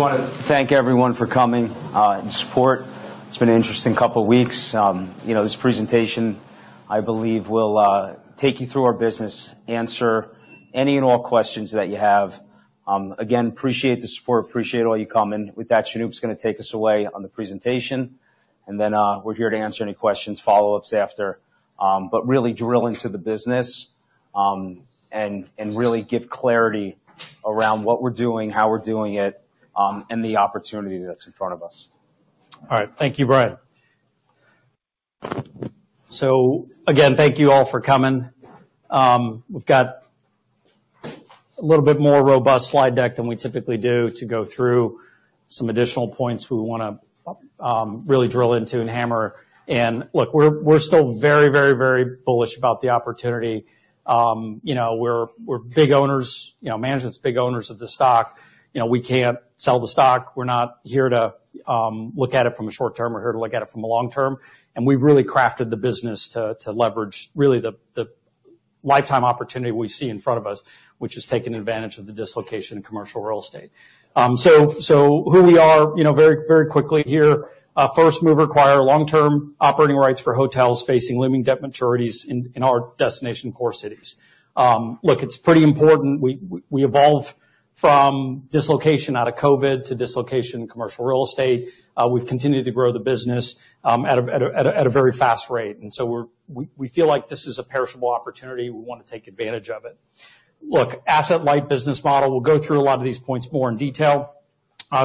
Just want to thank everyone for coming, and support. It's been an interesting couple of weeks. You know, this presentation, I believe, will take you through our business, answer any and all questions that you have. Again, appreciate the support, appreciate all you coming. With that, Shanoop's gonna take us away on the presentation, and then, we're here to answer any questions, follow-ups after. But really drill into the business, and really give clarity around what we're doing, how we're doing it, and the opportunity that's in front of us. All right. Thank you, Brian. So again, thank you all for coming. We've got a little bit more robust slide deck than we typically do to go through some additional points we wanna really drill into and hammer. And look, we're, we're still very, very, very bullish about the opportunity. You know, we're, we're big owners, you know, management's big owners of the stock. You know, we can't sell the stock. We're not here to look at it from a short term. We're here to look at it from a long term, and we've really crafted the business to leverage really the lifetime opportunity we see in front of us, which is taking advantage of the dislocation in commercial real estate. So, so who we are, you know, very, very quickly here. First, we require long-term operating rights for hotels facing looming debt maturities in our destination core cities. Look, it's pretty important. We evolved from dislocation out of COVID to dislocation commercial real estate. We've continued to grow the business at a very fast rate, and so we feel like this is a perishable opportunity. We want to take advantage of it. Look, asset-light business model, we'll go through a lot of these points more in detail.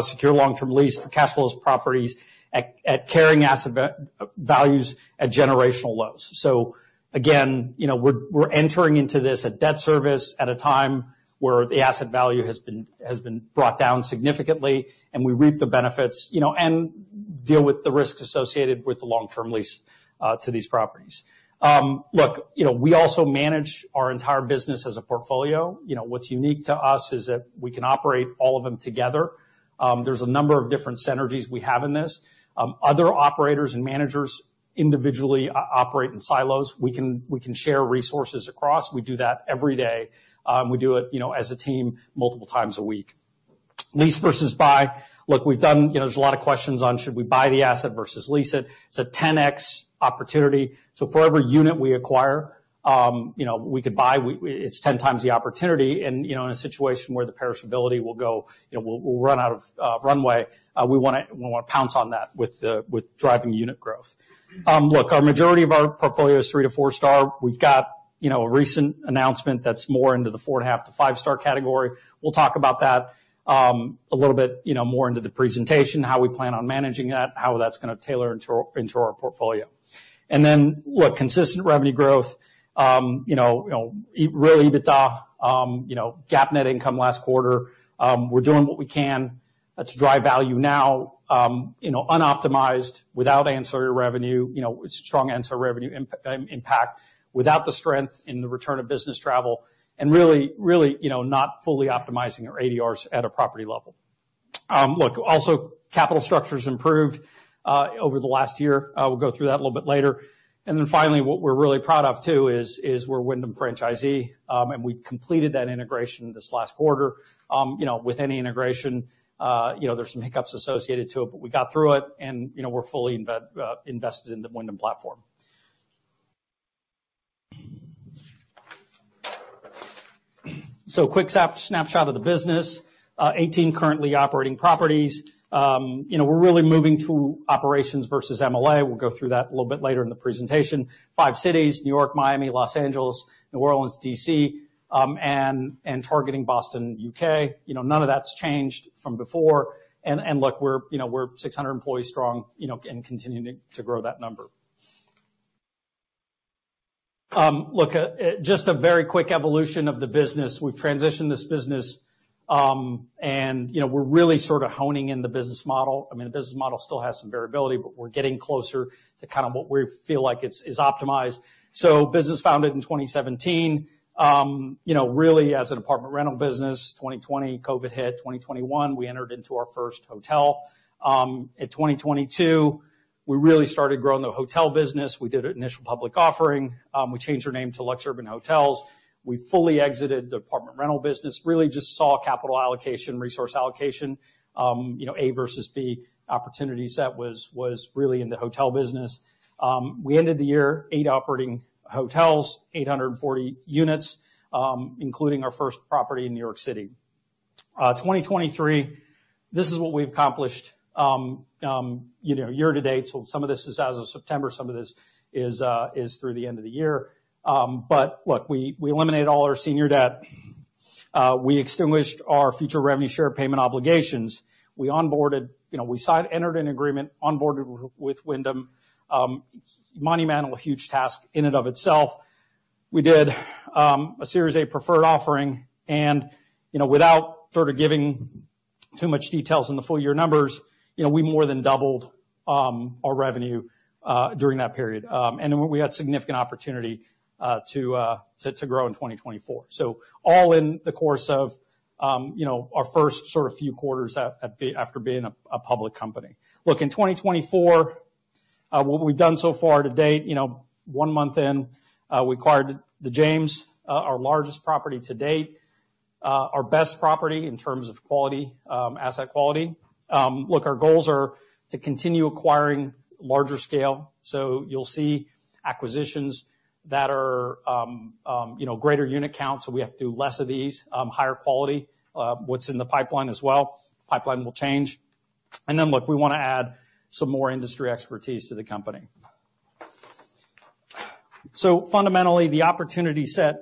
Secure long-term lease for cash flows properties at carrying asset values at generational lows. So again, you know, we're entering into this, a debt service at a time where the asset value has been brought down significantly, and we reap the benefits, you know, and deal with the risks associated with the long-term lease to these properties. Look, you know, we also manage our entire business as a portfolio. You know, what's unique to us is that we can operate all of them together. There's a number of different synergies we have in this. Other operators and managers individually operate in silos. We can share resources across. We do that every day. We do it, you know, as a team, multiple times a week. Lease versus buy. Look, we've done. You know, there's a lot of questions on: Should we buy the asset versus lease it? It's a 10x opportunity. So for every unit we acquire, you know, we could buy, it's 10x the opportunity, and, you know, in a situation where the perishability will go, you know, we'll run out of runway, we wanna pounce on that with driving unit growth. Look, our majority of our portfolio is 3-4 star. We've got, you know, a recent announcement that's more into the 4.5-5-star category. We'll talk about that, a little bit, you know, more into the presentation, how we plan on managing that, how that's gonna tailor into our, into our portfolio. And then, look, consistent revenue growth, you know, you know, real EBITDA, you know, GAAP net income last quarter. We're doing what we can to drive value now, you know, unoptimized, without ancillary revenue, you know, strong ancillary revenue, impact, without the strength in the return of business travel, and really, really, you know, not fully optimizing our ADRs at a property level. Look, also, capital structure's improved over the last year. We'll go through that a little bit later. And then finally, what we're really proud of, too, is we're Wyndham franchisee, and we completed that integration this last quarter. You know, with any integration, you know, there's some hiccups associated to it, but we got through it, and, you know, we're fully invested in the Wyndham platform. So quick snapshot of the business. 18 currently operating properties. You know, we're really moving to operations versus MLA. We'll go through that a little bit later in the presentation. Five cities, New York, Miami, Los Angeles, New Orleans, D.C., and targeting Boston and U.K. You know, none of that's changed from before. And look, we're, you know, we're 600 employees strong, you know, and continuing to grow that number. Look, just a very quick evolution of the business. We've transitioned this business, and, you know, we're really sort of honing in the business model. I mean, the business model still has some variability, but we're getting closer to kind of what we feel like it is optimized. So business founded in 2017, you know, really, as an apartment rental business. 2020, COVID hit. 2021, we entered into our first hotel. In 2022, we really started growing the hotel business. We did an initial public offering. We changed our name to LuxUrban Hotels. We fully exited the apartment rental business, really just saw capital allocation, resource allocation, you know, A versus B. Opportunity set was really in the hotel business. We ended the year, eight operating hotels, 840 units, including our first property in New York City. 2023, this is what we've accomplished, you know, year-to-date. So some of this is as of September, some of this is through the end of the year. But look, we eliminated all our senior debt. We extinguished our future revenue share payment obligations. We onboarded, you know, we signed, entered an agreement, onboarded with Wyndham. Monumental, huge task in and of itself. We did a Series A Preferred offering, and, you know, without sort of giving too much details on the full year numbers, you know, we more than doubled our revenue during that period. And then we had significant opportunity to grow in 2024. So all in the course of, you know, our first sort of few quarters after being a public company. Look, in 2024, what we've done so far to date, you know, one month in, we acquired The James, our largest property to date, our best property in terms of quality, asset quality. Look, our goals are to continue acquiring larger scale. So you'll see acquisitions that are, you know, greater unit count, so we have to do less of these, higher quality, what's in the pipeline as well. Pipeline will change. And then, look, we wanna add some more industry expertise to the company. So fundamentally, the opportunity set is,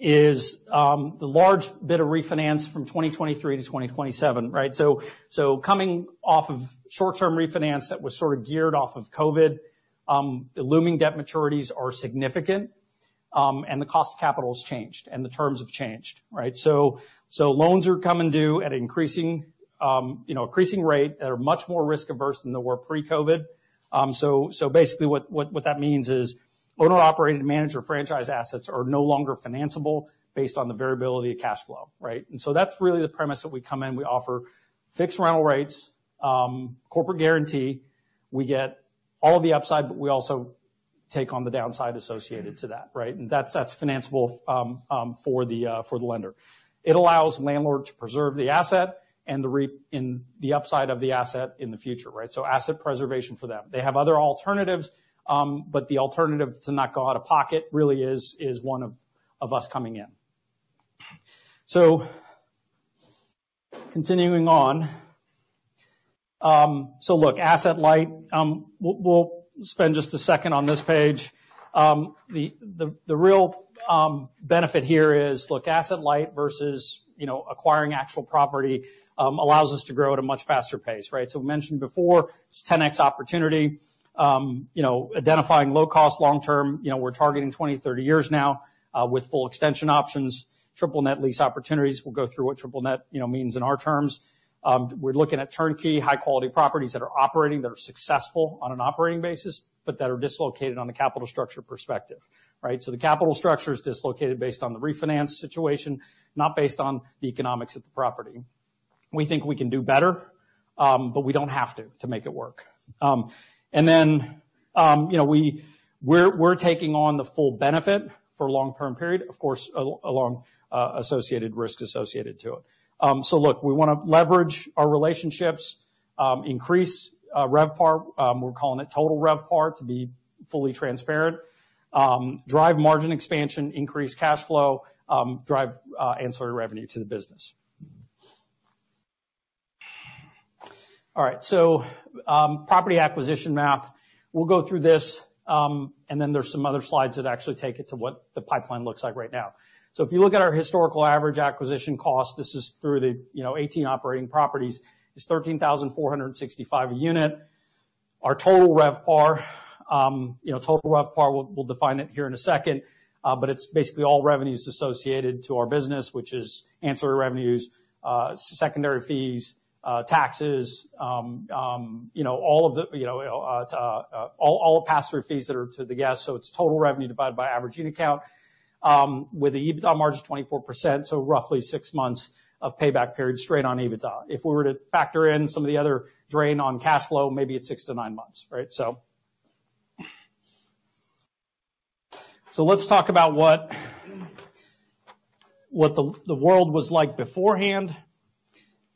the large bit of refinance from 2023-2027, right? So, so coming off of short-term refinance that was sort of geared off of COVID, the looming debt maturities are significant, and the cost of capital has changed and the terms have changed, right? So, so loans are coming due at an increasing, you know, increasing rate that are much more risk-averse than they were pre-COVID. So basically, what that means is owner-operated manager franchise assets are no longer financeable based on the variability of cash flow, right? And so that's really the premise that we come in. We offer fixed rental rates, corporate guarantee. We get all the upside, but we also take on the downside associated to that, right? And that's financeable, for the lender. It allows landlord to preserve the asset and to reap in the upside of the asset in the future, right? So asset preservation for them. They have other alternatives, but the alternative to not go out of pocket really is one of us coming in. So continuing on. So look, asset light, we'll spend just a second on this page. The real benefit here is, look, asset light versus, you know, acquiring actual property, allows us to grow at a much faster pace, right? So we mentioned before, it's 10x opportunity, you know, identifying low cost, long term. You know, we're targeting 20-30 years now, with full extension options, triple net lease opportunities. We'll go through what triple net, you know, means in our terms. We're looking at turnkey, high-quality properties that are operating, that are successful on an operating basis, but that are dislocated on a capital structure perspective, right? So the capital structure is dislocated based on the refinance situation, not based on the economics of the property. We think we can do better, but we don't have to, to make it work. And then, you know, we're taking on the full benefit for a long-term period, of course, along associated risk associated to it. So look, we wanna leverage our relationships, increase RevPAR, we're calling it Total RevPAR, to be fully transparent. Drive margin expansion, increase cash flow, drive ancillary revenue to the business. All right, so property acquisition map. We'll go through this, and then there's some other slides that actually take it to what the pipeline looks like right now. So if you look at our historical average acquisition cost, this is through the, you know, 18 operating properties, is $13,465 a unit. Our Total RevPAR, you know, Total RevPAR, we'll define it here in a second. But it's basically all revenues associated to our business, which is ancillary revenues, secondary fees, taxes, you know, all of the, you know, all, all pass-through fees that are to the guests. So it's total revenue divided by average unit count, with the EBITDA margin of 24%, so roughly six months of payback period straight on EBITDA. If we were to factor in some of the other drain on cash flow, maybe it's 6-9 months, right? So let's talk about what, what the, the world was like beforehand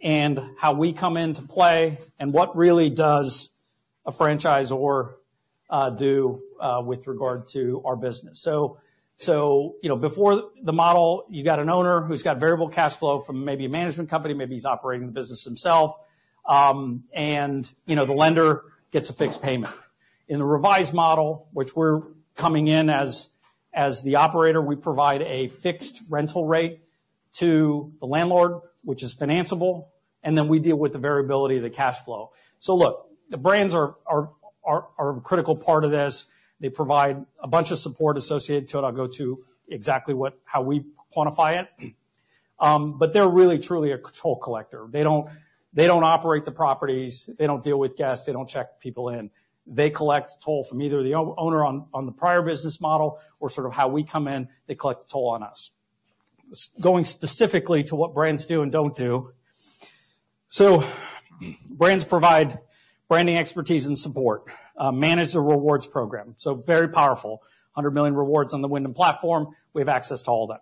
and how we come into play, and what really does a franchisor, do, with regard to our business. So, so, you know, before the model, you got an owner who's got variable cash flow from maybe a management company, maybe he's operating the business himself. And, you know, the lender gets a fixed payment. In the revised model, which we're coming in as the operator, we provide a fixed rental rate to the landlord, which is financeable, and then we deal with the variability of the cash flow. So look, the brands are a critical part of this. They provide a bunch of support associated to it. I'll go to exactly what how we quantify it. But they're really, truly a toll collector. They don't operate the properties, they don't deal with guests, they don't check people in. They collect toll from either the owner on the prior business model or sort of how we come in, they collect the toll on us. Going specifically to what brands do and don't do. So brands provide branding, expertise, and support, manage the rewards program. So very powerful. 100 million rewards on the Wyndham platform. We have access to all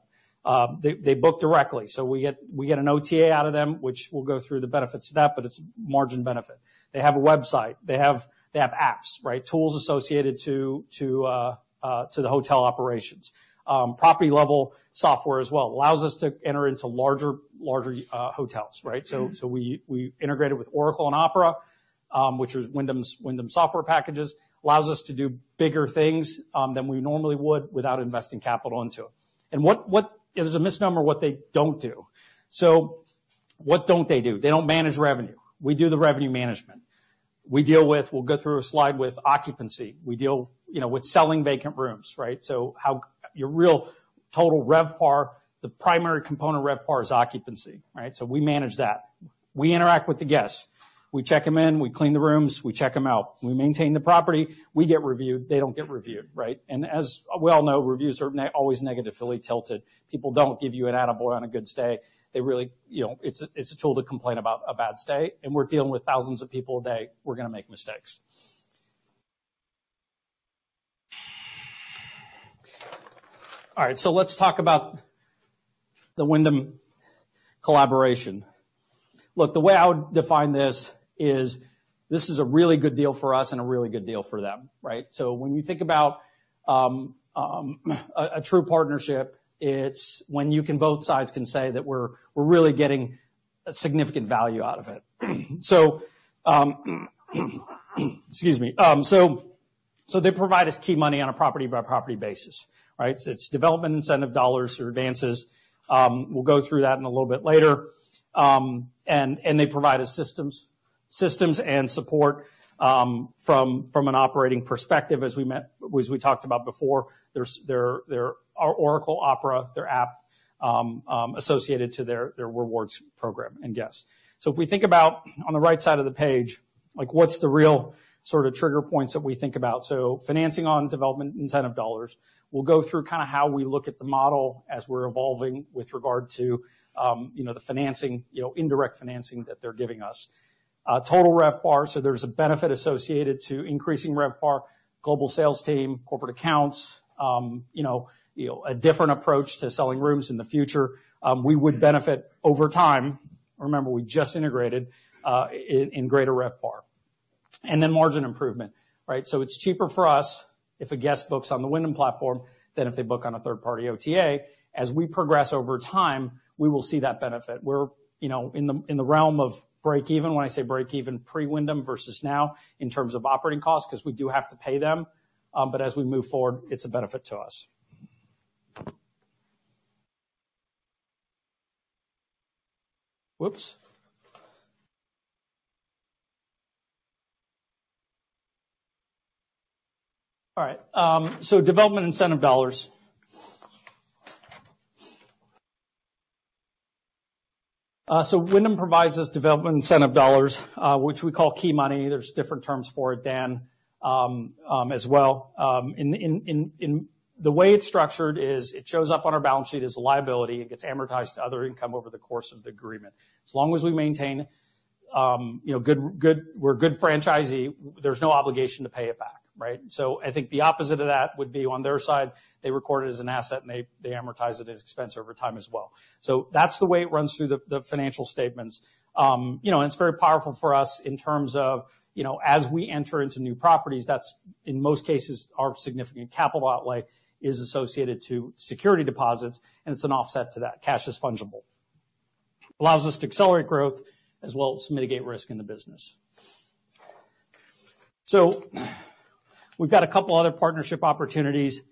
that. They book directly, so we get an OTA out of them, which we'll go through the benefits of that, but it's margin benefit. They have a website, they have apps, right? Tools associated to the hotel operations. Property-level software as well, allows us to enter into larger hotels, right? So we integrated with Oracle and Opera, which was Wyndham's software packages, allows us to do bigger things than we normally would without investing capital into it. It is a misnomer, what they don't do. So what don't they do? They don't manage revenue. We do the revenue management. We deal with. We'll go through a slide with occupancy. We deal, you know, with selling vacant rooms, right? So how your real Total RevPAR, the primary component of RevPAR is occupancy, right? So we manage that. We interact with the guests. We check them in, we clean the rooms, we check them out, we maintain the property, we get reviewed, they don't get reviewed, right? And as we all know, reviews are nearly always negatively tilted. People don't give you an attaboy on a good stay. They really, you know, it's a, it's a tool to complain about a bad stay, and we're dealing with thousands of people a day, we're gonna make mistakes. All right, so let's talk about the Wyndham collaboration. Look, the way I would define this is, this is a really good deal for us and a really good deal for them, right? So when you think about a true partnership, it's when you can, both sides can say that we're, we're really getting a significant value out of it. So, excuse me. So they provide us key money on a property-by-property basis, right? It's development incentive dollars or advances. We'll go through that in a little bit later. And they provide us systems and support from an operating perspective, as we talked about before, our Oracle Opera, their app associated to their rewards program and guests. So if we think about on the right side of the page, like, what's the real sort of trigger points that we think about? So financing on development incentive dollars. We'll go through kind of how we look at the model as we're evolving with regard to, you know, the financing, you know, indirect financing that they're giving us. Total RevPAR, so there's a benefit associated to increasing RevPAR, global sales team, corporate accounts, you know, you know, a different approach to selling rooms in the future. We would benefit over time. Remember, we just integrated, in greater RevPAR, and then margin improvement, right? So it's cheaper for us if a guest books on the Wyndham platform than if they book on a third-party OTA. As we progress over time, we will see that benefit. We're, you know, in the, in the realm of break even. When I say break even, pre-Wyndham versus now, in terms of operating costs, 'cause we do have to pay them, but as we move forward, it's a benefit to us. Whoops! All right, so development incentive dollars. So Wyndham provides us development incentive dollars, which we call key money. There's different terms for it, Dan, as well. The way it's structured is it shows up on our balance sheet as a liability, it gets amortized to other income over the course of the agreement. As long as we maintain, you know, good-- we're a good franchisee, there's no obligation to pay it back, right? So I think the opposite of that would be on their side, they record it as an asset, and they amortize it as expense over time as well. So that's the way it runs through the financial statements. You know, and it's very powerful for us in terms of, you know, as we enter into new properties, that's in most cases, our significant capital outlay is associated to security deposits, and it's an offset to that. Cash is fungible. Allows us to accelerate growth as well as mitigate risk in the business. So we've got a couple other partnership opportunities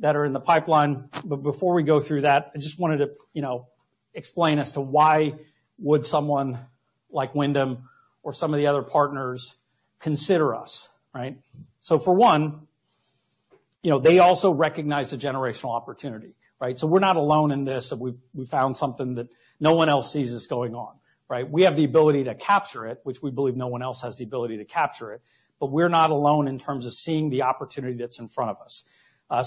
that are in the pipeline, but before we go through that, I just wanted to, you know, explain as to why would someone like Wyndham or some of the other partners consider us, right? So for one, you know, they also recognize the generational opportunity, right? So we're not alone in this, that we've found something that no one else sees this going on, right? We have the ability to capture it, which we believe no one else has the ability to capture it, but we're not alone in terms of seeing the opportunity that's in front of us.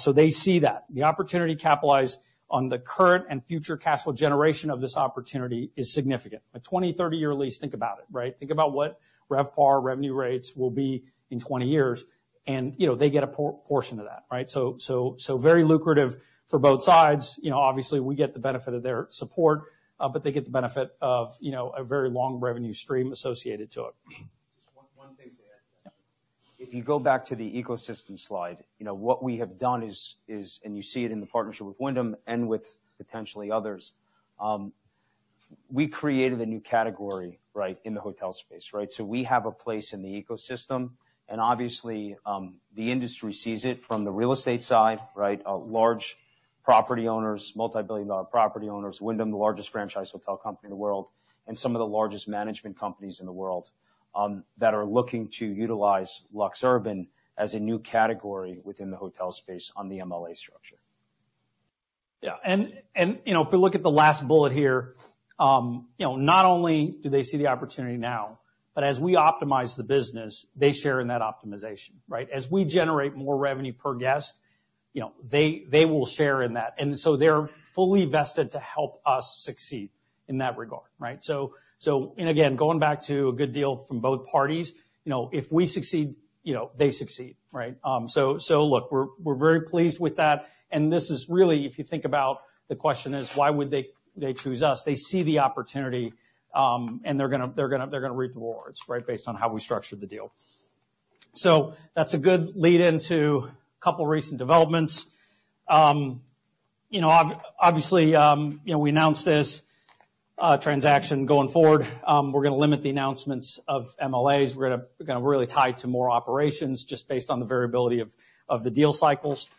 So they see that. The opportunity to capitalize on the current and future cash flow generation of this opportunity is significant. A 20-year, 30-year lease, think about it, right? Think about what RevPAR revenue rates will be in 20 years, and, you know, they get a portion of that, right? So, so, so very lucrative for both sides. You know, obviously, we get the benefit of their support, but they get the benefit of, you know, a very long revenue stream associated to it. Just one thing to add. If you go back to the ecosystem slide, you know, what we have done is, and you see it in the partnership with Wyndham and with potentially others, we created a new category, right, in the hotel space, right? So we have a place in the ecosystem, and obviously, the industry sees it from the real estate side, right? Large property owners, multi-billion-dollar property owners, Wyndham, the largest franchise hotel company in the world, and some of the largest management companies in the world, that are looking to utilize LuxUrban as a new category within the hotel space on the MLA structure. Yeah, and you know, if we look at the last bullet here, you know, not only do they see the opportunity now, but as we optimize the business, they share in that optimization, right? As we generate more revenue per guest, you know, they will share in that. And so they're fully vested to help us succeed in that regard, right? So and again, going back to a good deal from both parties, you know, if we succeed, you know, they succeed, right? So look, we're very pleased with that, and this is really, if you think about the question, is why would they choose us? They see the opportunity, and they're gonna reap the rewards, right? Based on how we structured the deal. So that's a good lead into a couple of recent developments. You know, obviously, you know, we announced this transaction going forward. We're gonna limit the announcements of MLAs. We're gonna really tie it to more operations, just based on the variability of the deal cycles.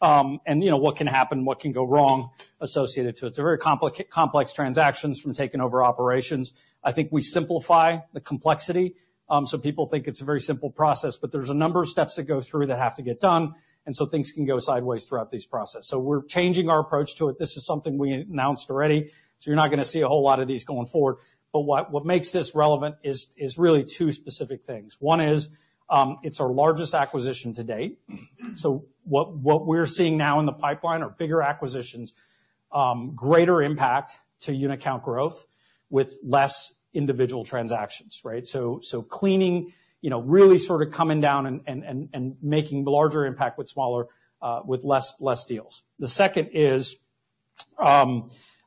And, you know, what can happen, what can go wrong associated to it. It's a very complex transactions from taking over operations. I think we simplify the complexity, so people think it's a very simple process, but there's a number of steps that go through that have to get done, and so things can go sideways throughout this process. So we're changing our approach to it. This is something we announced already, so you're not gonna see a whole lot of these going forward. But what makes this relevant is really two specific things. One is, it's our largest acquisition to date. So what, what we're seeing now in the pipeline are bigger acquisitions, greater impact to unit count growth with less individual transactions, right? So, scaling, you know, really sort of coming down and making the larger impact with smaller, with less deals. The second is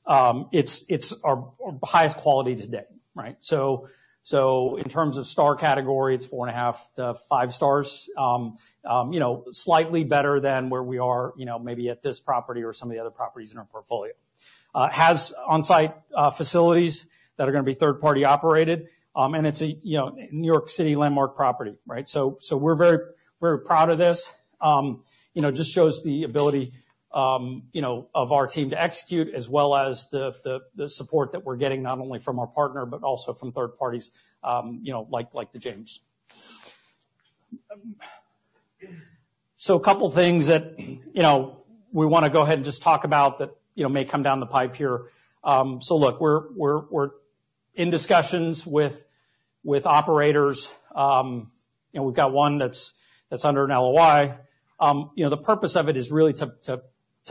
our highest quality today, right? So, in terms of star category, it's 4.5-5 stars. You know, slightly better than where we are, you know, maybe at this property or some of the other properties in our portfolio. Has on-site facilities that are gonna be third-party operated. And it's a, you know, New York City landmark property, right? So, we're very, very proud of this. You know, just shows the ability, you know, of our team to execute as well as the support that we're getting, not only from our partner, but also from third parties, you know, like The James. So a couple of things that, you know, we wanna go ahead and just talk about that, you know, may come down the pipe here. So look, we're in discussions with operators. And we've got one that's under an LOI. You know, the purpose of it is really to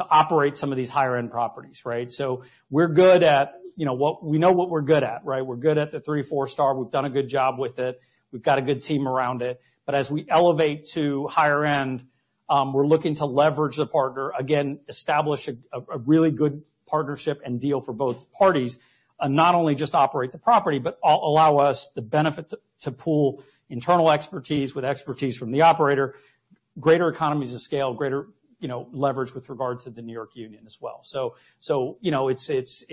operate some of these higher-end properties, right? So we're good at... You know, what-- We know what we're good at, right? We're good at the three, four star. We've done a good job with it. We've got a good team around it. But as we elevate to higher end, we're looking to leverage the partner, again, establish a really good partnership and deal for both parties. And not only just operate the property, but allow us the benefit to pool internal expertise with expertise from the operator, greater economies of scale, greater, you know, leverage with regard to the New York union as well. So, you know, it's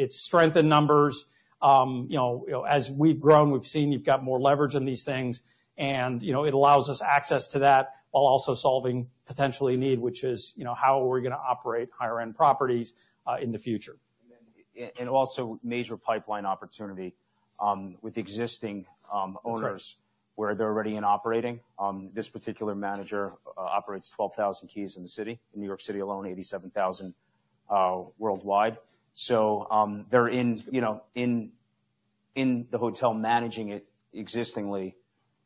strength in numbers. You know, as we've grown, we've seen you've got more leverage in these things, and, you know, it allows us access to that, while also solving potentially a need, which is, you know, how are we gonna operate higher-end properties in the future? And also major pipeline opportunity with existing owners- That's right. where they're already operating. This particular manager operates 12,000 keys in the city. In New York City alone, 87,000 worldwide. So, they're in, you know, in the hotel, managing it existingly.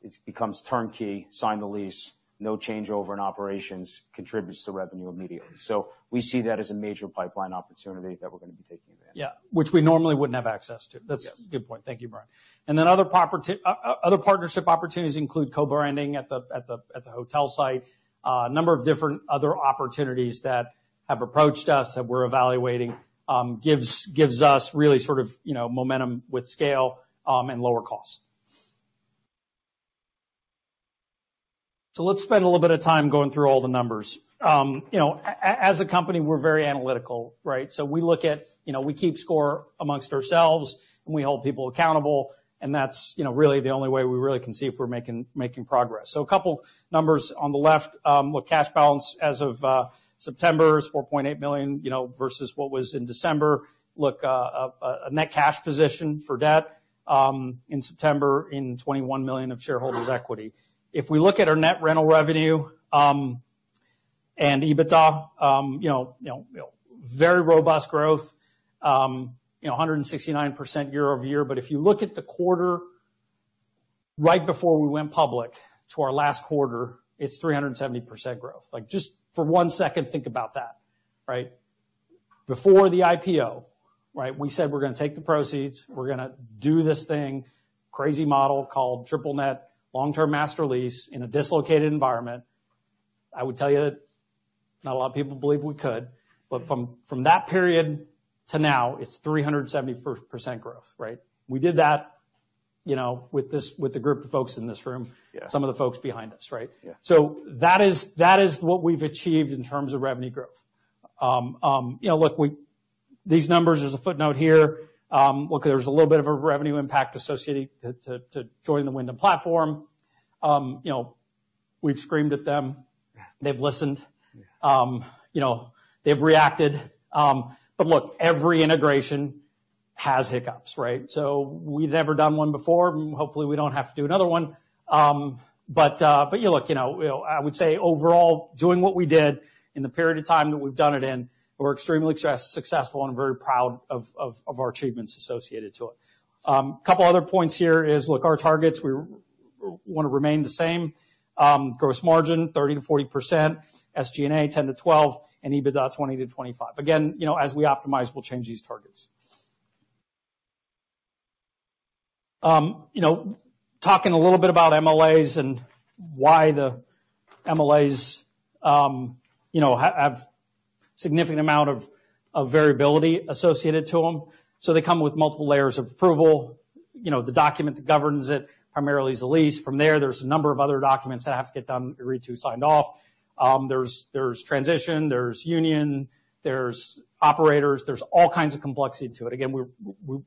It becomes turnkey, sign the lease, no changeover in operations, contributes to revenue immediately. So we see that as a major pipeline opportunity that we're gonna be taking advantage of. Yeah, which we normally wouldn't have access to. Yes. That's a good point. Thank you, Brian. And then other property partnership opportunities include co-branding at the hotel site. A number of different other opportunities that have approached us, that we're evaluating, gives us really sort of, you know, momentum with scale, and lower costs. So let's spend a little bit of time going through all the numbers. You know, as a company, we're very analytical, right? So we look at... You know, we keep score amongst ourselves, and we hold people accountable, and that's, you know, really the only way we really can see if we're making progress. So a couple numbers on the left. Look, cash balance as of September is $4.8 million, you know, versus what was in December. Look, a net cash position for debt, in September, $21 million of shareholders' equity. If we look at our net rental revenue, and EBITDA, you know, very robust growth, you know, 169% year-over-year. But if you look at the quarter right before we went public to our last quarter, it's 370% growth. Like, just for one second, think about that, right? Before the IPO, right, we said, we're gonna take the proceeds, we're gonna do this thing, crazy model called triple net, long-term master lease in a dislocated environment. I would tell you that not a lot of people believed we could, but from that period to now, it's 374% growth, right? We did that, you know, with the group of folks in this room. Yeah. some of the folks behind us, right? Yeah. So that is what we've achieved in terms of revenue growth. You know, look, These numbers, there's a footnote here. Look, there's a little bit of a revenue impact associated to joining the Wyndham platform. You know, we've screamed at them. Yeah. They've listened, you know, they've reacted. But look, every integration has hiccups, right? So we've never done one before. Hopefully, we don't have to do another one. But you look, you know, I would say overall, doing what we did in the period of time that we've done it in, we're extremely successful and very proud of our achievements associated to it. A couple of other points here is, look, our targets, we wanna remain the same. Gross margin, 30%-40%, SG&A, 10%-12%, and EBITDA, 20%-25%. Again, you know, as we optimize, we'll change these targets. You know, talking a little bit about MLAs and why the MLAs, you know, have significant amount of variability associated to them. So they come with multiple layers of approval. You know, the document that governs it primarily is the lease. From there, there's a number of other documents that have to get done, agreed to, signed off. There's transition, there's union, there's operators, there's all kinds of complexity to it. Again, we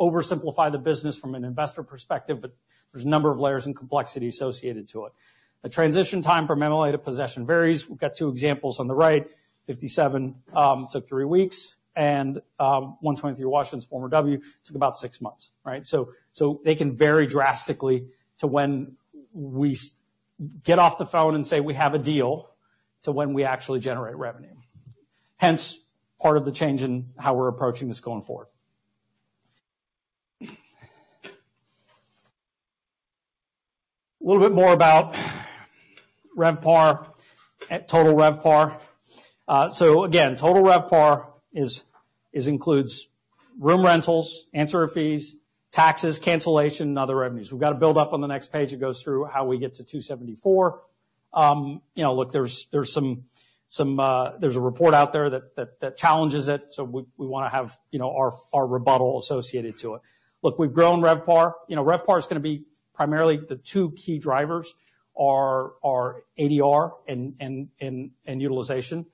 oversimplify the business from an investor perspective, but there's a number of layers and complexity associated to it. The transition time from MLA to possession varies. We've got two examples on the right, 57 took three weeks, and 123 Washington's former W took about six months, right? So they can vary drastically to when we get off the phone and say, "We have a deal," to when we actually generate revenue. Hence, part of the change in how we're approaching this going forward. A little bit more about RevPAR, total RevPAR. So again, total RevPAR includes room rentals, ancillary fees, taxes, cancellation, and other revenues. We've got to build up on the next page. It goes through how we get to 274. You know, look, there's some report out there that challenges it, so we wanna have, you know, our rebuttal associated to it. Look, we've grown RevPAR. You know, RevPAR is gonna be primarily the two key drivers are ADR and utilization.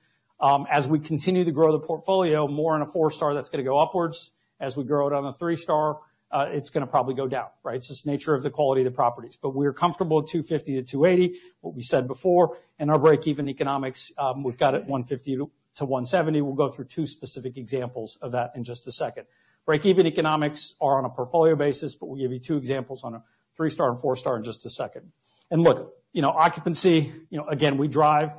As we continue to grow the portfolio, more on a four-star, that's gonna go upwards. As we grow it on a three-star, it's gonna probably go down, right? It's just the nature of the quality of the properties. But we're comfortable at $250-$280, what we said before, and our breakeven economics, we've got it at $150-$170. We'll go through two specific examples of that in just a second. Breakeven economics are on a portfolio basis, but we'll give you two examples on a three-star and four-star in just a second. And look, you know, occupancy, you know, again, we drive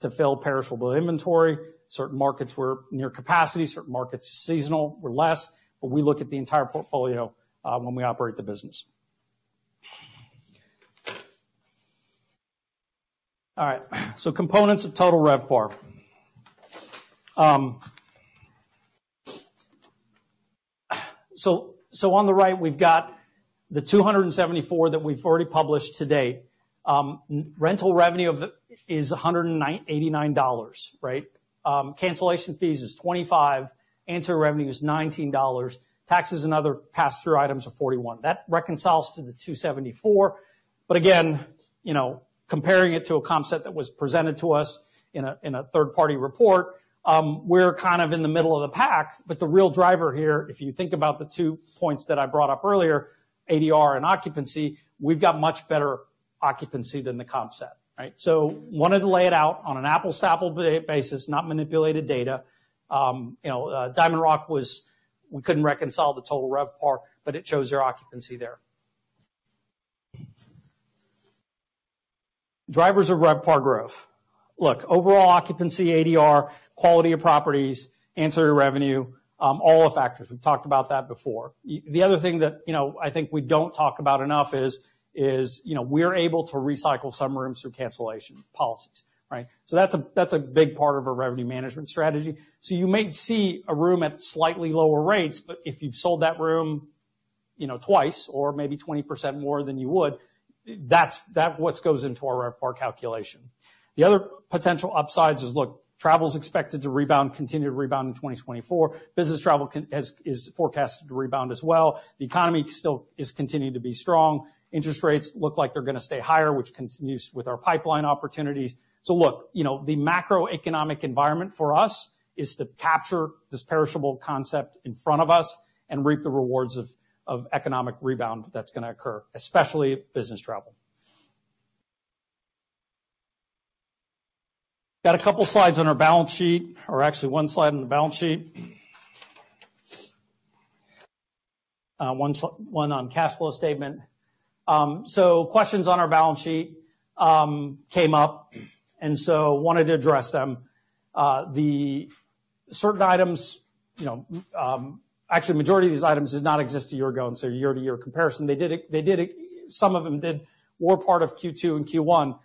to fill perishable inventory. Certain markets were near capacity, certain markets, seasonal or less, but we look at the entire portfolio, when we operate the business. All right, so components of total RevPAR. So on the right, we've got the $274 that we've already published today. Rental revenue of it is $109-$89, right? Cancellation fees is $25, ancillary revenue is $19, taxes and other pass-through items are $41. That reconciles to the $274. But again, you know, comparing it to a concept that was presented to us in a, in a third-party report, we're kind of in the middle of the pack, but the real driver here, if you think about the two points that I brought up earlier, ADR and occupancy, we've got much better occupancy than the comp set, right? So wanted to lay it out on an apples-to-apples basis, not manipulated data. You know, DiamondRock was... We couldn't reconcile the total RevPAR, but it shows their occupancy there. Drivers of RevPAR growth. Look, overall occupancy, ADR, quality of properties, ancillary revenue, all the factors. We've talked about that before. The other thing that, you know, I think we don't talk about enough is, you know, we're able to recycle some rooms through cancellation policies, right? So that's a big part of our revenue management strategy. So you may see a room at slightly lower rates, but if you've sold that room, you know, twice or maybe 20% more than you would, that's what goes into our RevPAR calculation. The other potential upsides is, look, travel is expected to rebound, continue to rebound in 2024. Business travel is forecasted to rebound as well. The economy still is continuing to be strong. Interest rates look like they're gonna stay higher, which continues with our pipeline opportunities. So look, you know, the macroeconomic environment for us is to capture this perishable concept in front of us and reap the rewards of economic rebound that's gonna occur, especially business travel. Got a couple slides on our balance sheet, or actually one slide on the balance sheet, one on cash flow statement. So questions on our balance sheet came up, and so wanted to address them. The certain items, you know, actually, majority of these items did not exist a year ago, and so year-to-year comparison. Some of them did, were part of Q2 and Q1,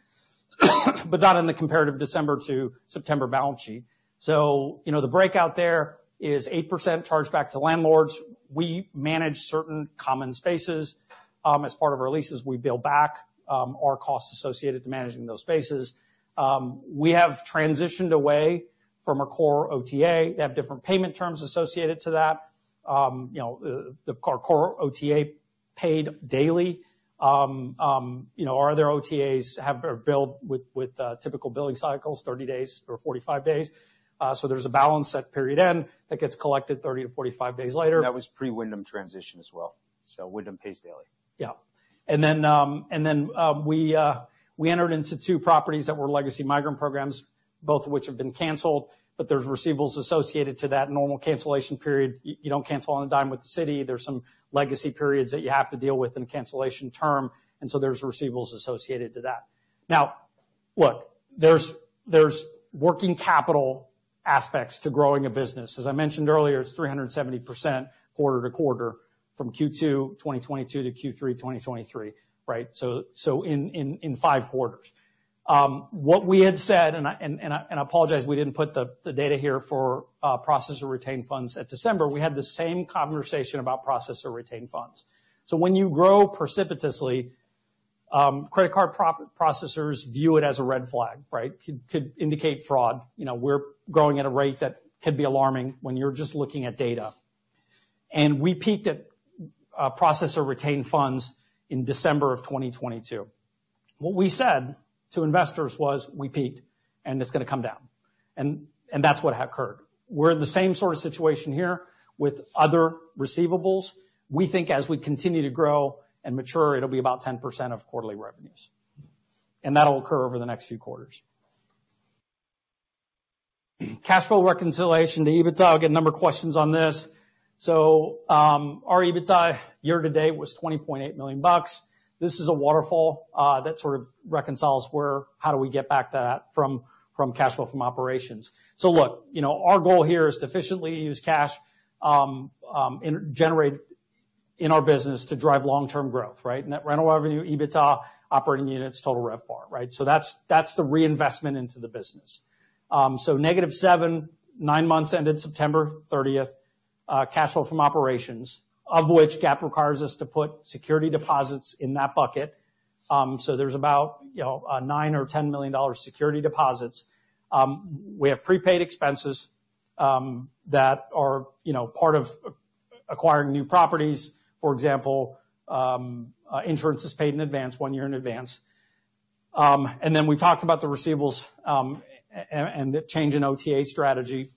but not in the comparative December to September balance sheet. So, you know, the breakout there is 8% charged back to landlords. We manage certain common spaces. As part of our leases, we bill back our costs associated to managing those spaces. We have transitioned away from our core OTA. They have different payment terms associated to that. You know, our core OTA paid daily. You know, our other OTAs have are billed with typical billing cycles, 30 days or 45 days. So there's a balance at period end that gets collected 30-45 days later. That was pre-Wyndham transition as well. So Wyndham pays daily. Yeah. And then, we entered into two properties that were legacy migrant programs, both of which have been canceled, but there's receivables associated to that normal cancellation period. You don't cancel on a dime with the city. There's some legacy periods that you have to deal with in a cancellation term, and so there's receivables associated to that. Now, look, there's working capital aspects to growing a business. As I mentioned earlier, it's 370% quarter to quarter from Q2 2022 to Q3 2023, right? So in five quarters. What we had said, and I apologize, we didn't put the data here for processor retained funds at December. We had the same conversation about processor retained funds. So when you grow precipitously, credit card processors view it as a red flag, right? Could indicate fraud. You know, we're growing at a rate that could be alarming when you're just looking at data. And we peaked at processor retained funds in December of 2022. What we said to investors was, "We peaked, and it's gonna come down." And that's what occurred. We're in the same sort of situation here with other receivables. We think as we continue to grow and mature, it'll be about 10% of quarterly revenues, and that'll occur over the next few quarters. Cash flow reconciliation to EBITDA, I'll get a number of questions on this. So our EBITDA year to date was $20.8 million. This is a waterfall that sort of reconciles where... How do we get that back from cash flow from operations? So look, you know, our goal here is to efficiently use cash and generate in our business to drive long-term growth, right? Net rental revenue, EBITDA, operating units, total RevPAR, right? So that's the reinvestment into the business. So -$7 million, nine months ended September 30, cash flow from operations, of which GAAP requires us to put security deposits in that bucket. So there's about, you know, $9 million or $10 million security deposits. We have prepaid expenses that are, you know, part of acquiring new properties. For example, insurance is paid in advance, one year in advance. And then we talked about the receivables and the change in OTA strategy.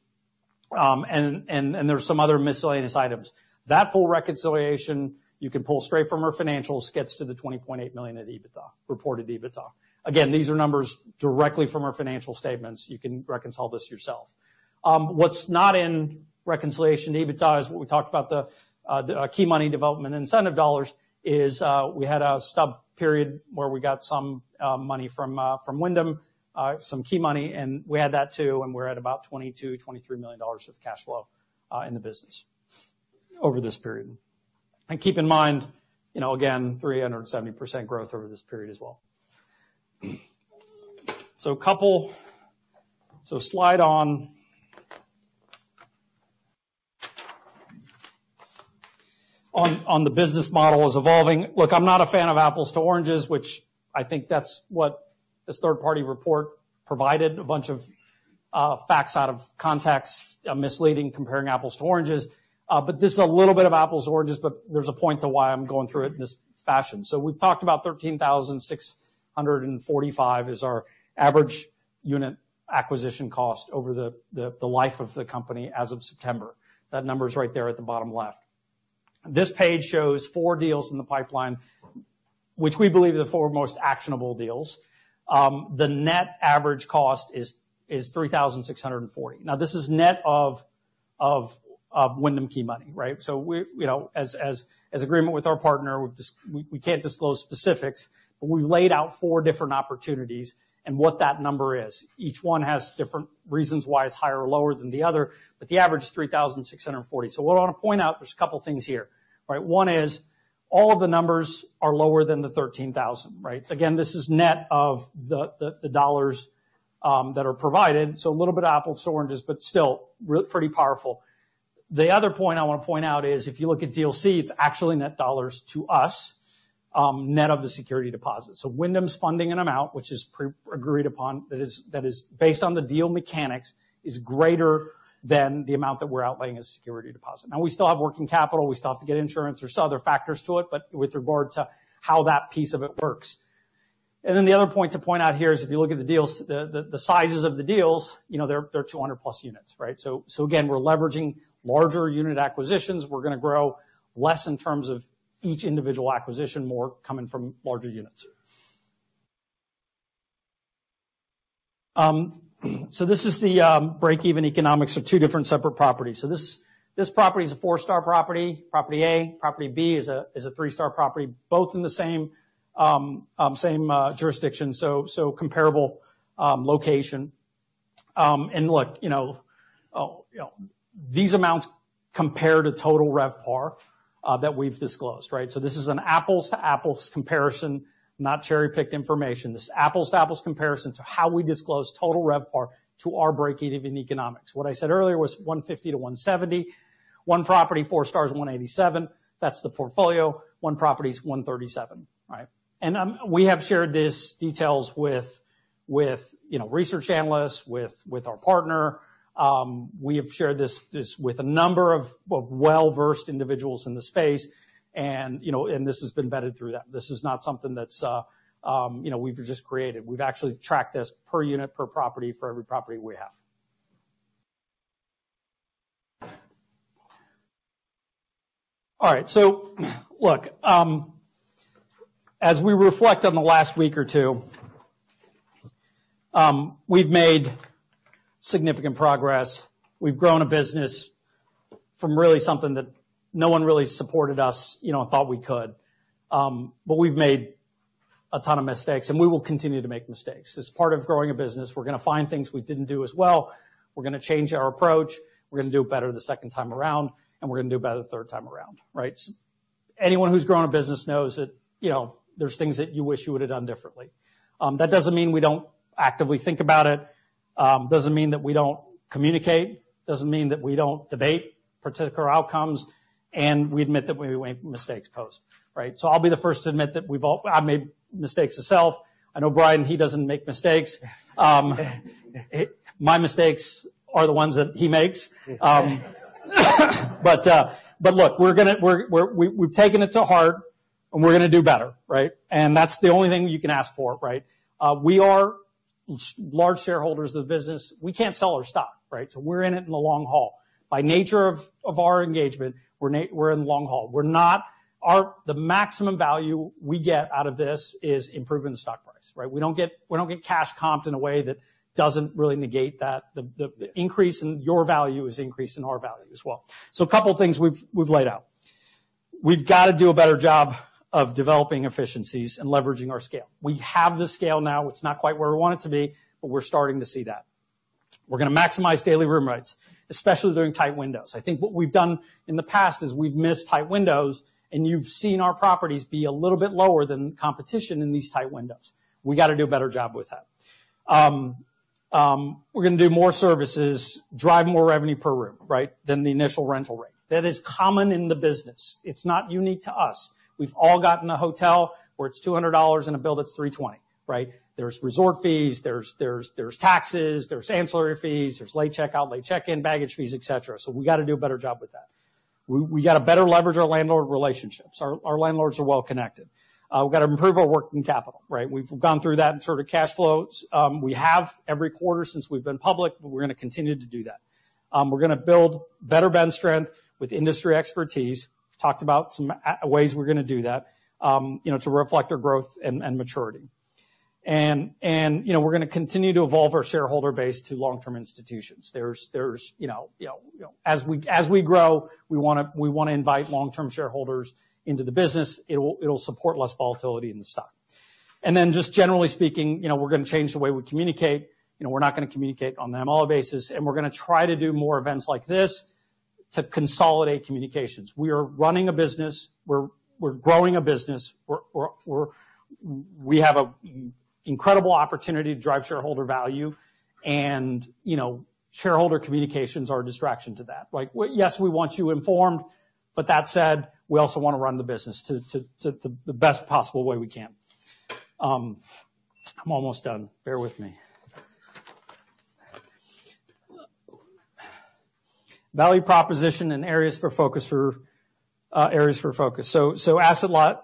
And there are some other miscellaneous items. That full reconciliation, you can pull straight from our financials, gets to the $20.8 million of EBITDA, reported EBITDA. Again, these are numbers directly from our financial statements. You can reconcile this yourself. What's not in reconciliation to EBITDA is what we talked about, the key money development incentive dollars. We had a stub period where we got some money from Wyndham, some key money, and we had that, too, and we're at about $22 million-$23 million of cash flow in the business over this period. And keep in mind, you know, again, 370% growth over this period as well. So a couple... So slide on. On the business model is evolving. Look, I'm not a fan of apples to oranges, which I think that's what this third-party report provided, a bunch of facts out of context, misleading, comparing apples to oranges. But this is a little bit of apples to oranges, but there's a point to why I'm going through it in this fashion. So we've talked about $13,645 is our average unit acquisition cost over the life of the company as of September. That number is right there at the bottom left. This page shows four deals in the pipeline, which we believe are the four most actionable deals. The net average cost is $3,640. Now, this is net of Wyndham key money, right? So we, you know, as agreement with our partner, we can't disclose specifics, but we laid out four different opportunities and what that number is. Each one has different reasons why it's higher or lower than the other, but the average is $3,640. So what I want to point out, there's a couple of things here, right? One is all of the numbers are lower than the $13,000, right? Again, this is net of the dollars that are provided. So a little bit of apples to oranges, but still pretty powerful. The other point I want to point out is, if you look at Deal C, it's actually net dollars to us, net of the security deposit. So Wyndham's funding an amount, which is pre-agreed upon, that is, that is based on the deal mechanics, is greater than the amount that we're outlaying as a security deposit. Now, we still have working capital, we still have to get insurance. There's other factors to it, but with regard to how that piece of it works. And then the other point to point out here is, if you look at the deals, the sizes of the deals, you know, they're 200+ units, right? So again, we're leveraging larger unit acquisitions. We're gonna grow less in terms of each individual acquisition, more coming from larger units. So this is the break-even economics of two different separate properties. So this property is a four-star property, property A. Property B is a three-star property, both in the same same jurisdiction, so comparable location. And look, you know, you know, these amounts compare to total RevPAR that we've disclosed, right? So this is an apples-to-apples comparison, not cherry-picked information. This is an apples-to-apples comparison to how we disclose total RevPAR to our break-even economics. What I said earlier was $150-$170. One property, four stars, $187. That's the portfolio. One property is $137, right? And we have shared these details with, you know, research analysts, with our partner. We have shared this with a number of well-versed individuals in the space and, you know, and this has been vetted through that. This is not something that's, you know, we've just created. We've actually tracked this per unit, per property for every property we have. All right, so, look, as we reflect on the last week or two, we've made significant progress. We've grown a business from really something that no one really supported us, you know, and thought we could. But we've made a ton of mistakes, and we will continue to make mistakes. As part of growing a business, we're gonna find things we didn't do as well. We're gonna change our approach, we're gonna do it better the second time around, and we're gonna do it better the third time around, right? Anyone who's grown a business knows that, you know, there's things that you wish you would have done differently. That doesn't mean we don't actively think about it, doesn't mean that we don't communicate, doesn't mean that we don't debate particular outcomes, and we admit that we make mistakes post, right? So I'll be the first to admit that we've all... I made mistakes myself. I know Brian, he doesn't make mistakes. My mistakes are the ones that he makes. But look, we're gonna, we've taken it to heart, and we're gonna do better, right? And that's the only thing you can ask for, right? We are large shareholders of the business. We can't sell our stock, right? So we're in it in the long haul. By nature of our engagement, we're in the long haul. We're not... The maximum value we get out of this is improving the stock price, right? We don't get cash comped in a way that doesn't really negate that. The increase in your value is increase in our value as well. So a couple of things we've laid out. We've got to do a better job of developing efficiencies and leveraging our scale. We have the scale now. It's not quite where we want it to be, but we're starting to see that... We're gonna maximize daily room rates, especially during tight windows. I think what we've done in the past is we've missed tight windows, and you've seen our properties be a little bit lower than competition in these tight windows. We gotta do a better job with that. We're gonna do more services, drive more revenue per room, right? Than the initial rental rate. That is common in the business. It's not unique to us. We've all gotten a hotel where it's $200 and a bill that's $320, right? There's resort fees, there's taxes, there's ancillary fees, there's late checkout, late check-in, baggage fees, et cetera. So we gotta do a better job with that. We gotta better leverage our landlord relationships. Our landlords are well connected. We've got to improve our working capital, right? We've gone through that in sort of cash flows every quarter since we've been public, but we're gonna continue to do that. We're gonna build better brand strength with industry expertise. Talked about some ways we're gonna do that, you know, to reflect our growth and maturity. And you know, we're gonna continue to evolve our shareholder base to long-term institutions. There's you know, as we grow, we wanna invite long-term shareholders into the business. It will, it'll support less volatility in the stock. And then just generally speaking, you know, we're gonna change the way we communicate. You know, we're not gonna communicate on that basis, and we're gonna try to do more events like this to consolidate communications. We are running a business, we're growing a business, we have an incredible opportunity to drive shareholder value, and, you know, shareholder communications are a distraction to that. Like, well, yes, we want you informed, but that said, we also wanna run the business to the best possible way we can. I'm almost done. Bear with me. Value proposition and areas for focus. So, asset-light,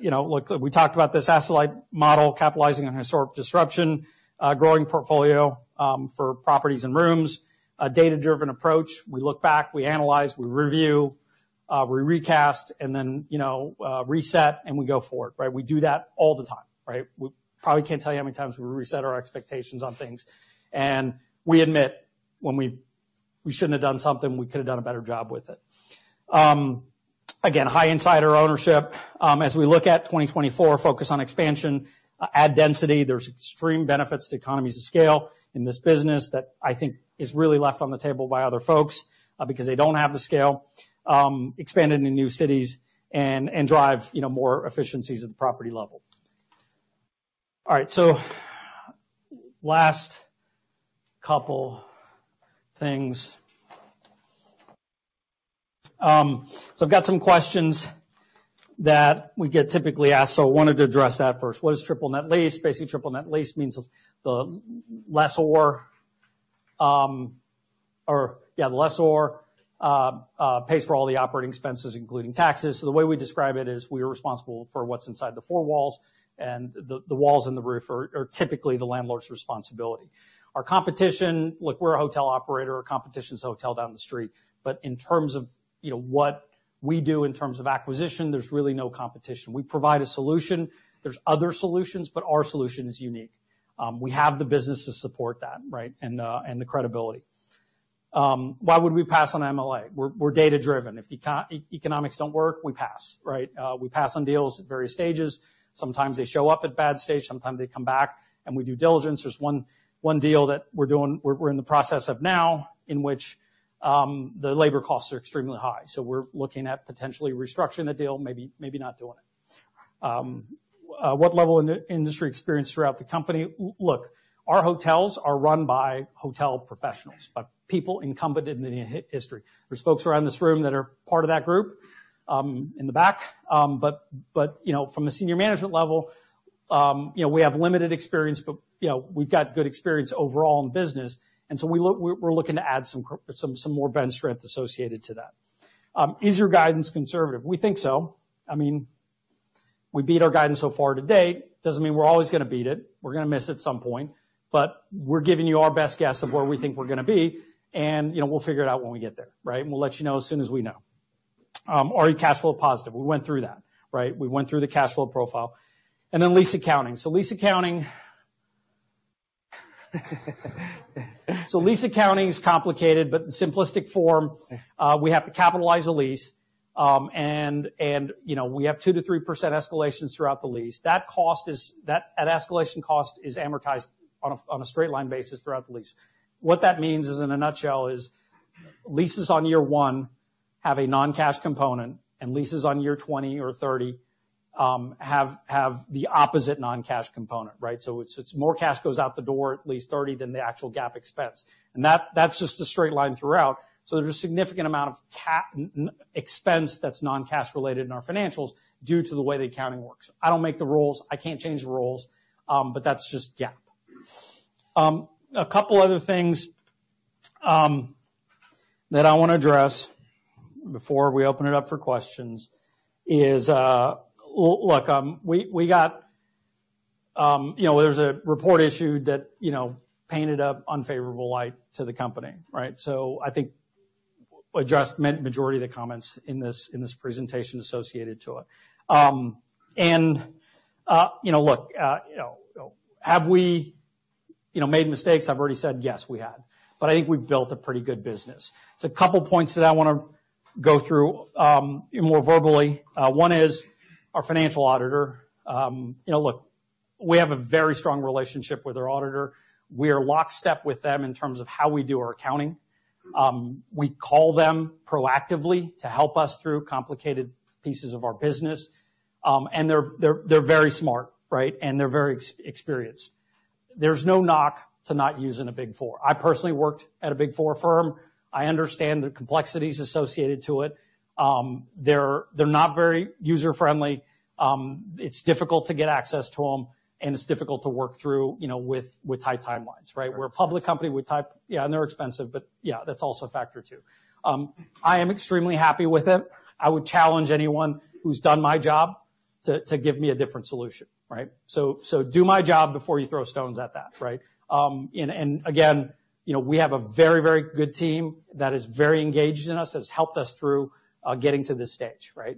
you know, look, we talked about this asset-light model, capitalizing on historic disruption, growing portfolio for properties and rooms, a data-driven approach. We look back, we analyze, we review, we recast, and then, you know, reset, and we go forward, right? We do that all the time, right? We probably can't tell you how many times we reset our expectations on things. We admit when we shouldn't have done something, we could have done a better job with it. Again, high insider ownership. As we look at 2024, focus on expansion, add density. There's extreme benefits to economies of scale in this business that I think is really left on the table by other folks, because they don't have the scale, expanding in new cities and drive, you know, more efficiencies at the property level. All right, so last couple things. So I've got some questions that we get typically asked, so I wanted to address that first. What is Triple Net Lease? Basically, Triple Net Lease means the lessor pays for all the operating expenses, including taxes. So the way we describe it is we are responsible for what's inside the four walls, and the walls and the roof are typically the landlord's responsibility. Our competition, look, we're a hotel operator, our competition's a hotel down the street, but in terms of, you know, what we do in terms of acquisition, there's really no competition. We provide a solution. There's other solutions, but our solution is unique. We have the business to support that, right? And the credibility. Why would we pass on MLA? We're data-driven. If economics don't work, we pass, right? We pass on deals at various stages. Sometimes they show up at bad stage, sometimes they come back, and we do diligence. There's one deal that we're in the process of now, in which the labor costs are extremely high, so we're looking at potentially restructuring the deal, maybe not doing it. What level of in-industry experience throughout the company? Look, our hotels are run by hotel professionals, but people incumbent in the history. There's folks around this room that are part of that group, in the back. But, you know, from a senior management level, you know, we have limited experience, but, you know, we've got good experience overall in business, and so we're looking to add some more bench strength associated to that. Is your guidance conservative? We think so. I mean, we beat our guidance so far to date. Doesn't mean we're always gonna beat it. We're gonna miss at some point, but we're giving you our best guess of where we think we're gonna be, and, you know, we'll figure it out when we get there, right? And we'll let you know as soon as we know. Are you cash flow positive? We went through that, right? We went through the cash flow profile. Then lease accounting. So lease accounting is complicated, but in simplistic form, we have to capitalize a lease, and, you know, we have 2%-3% escalations throughout the lease. That cost is—that escalation cost is amortized on a straight line basis throughout the lease. What that means is, in a nutshell, is leases on year-1 have a non-cash component, and leases on year-20 or year-30 have the opposite non-cash component, right? So it's more cash goes out the door at lease 30 than the actual GAAP expense. And that's just a straight line throughout, so there's a significant amount of cash expense that's non-cash related in our financials due to the way the accounting works. I don't make the rules, I can't change the rules, but that's just GAAP. A couple other things that I wanna address before we open it up for questions is, Look, we got, you know, there's a report issued that, you know, painted an unfavorable light to the company, right? So I think addressed majority of the comments in this, in this presentation associated to it. And, you know, look, you know, have we, you know, made mistakes? I've already said, yes, we have. But I think we've built a pretty good business. So a couple points that I wanna go through more verbally. One is our financial auditor. You know, look, we have a very strong relationship with our auditor. We are lockstep with them in terms of how we do our accounting. We call them proactively to help us through complicated pieces of our business. And they're, they're, they're very smart, right? And they're very experienced. There's no knock to not using a Big Four. I personally worked at a Big Four firm. I understand the complexities associated to it. They're, they're not very user-friendly. It's difficult to get access to them, and it's difficult to work through, you know, with tight timelines, right? We're a public company. Yeah, and they're expensive, but, yeah, that's also a factor, too. I am extremely happy with them. I would challenge anyone who's done my job to give me a different solution, right? So do my job before you throw stones at that, right? And again, you know, we have a very, very good team that is very engaged in us, that's helped us through getting to this stage, right?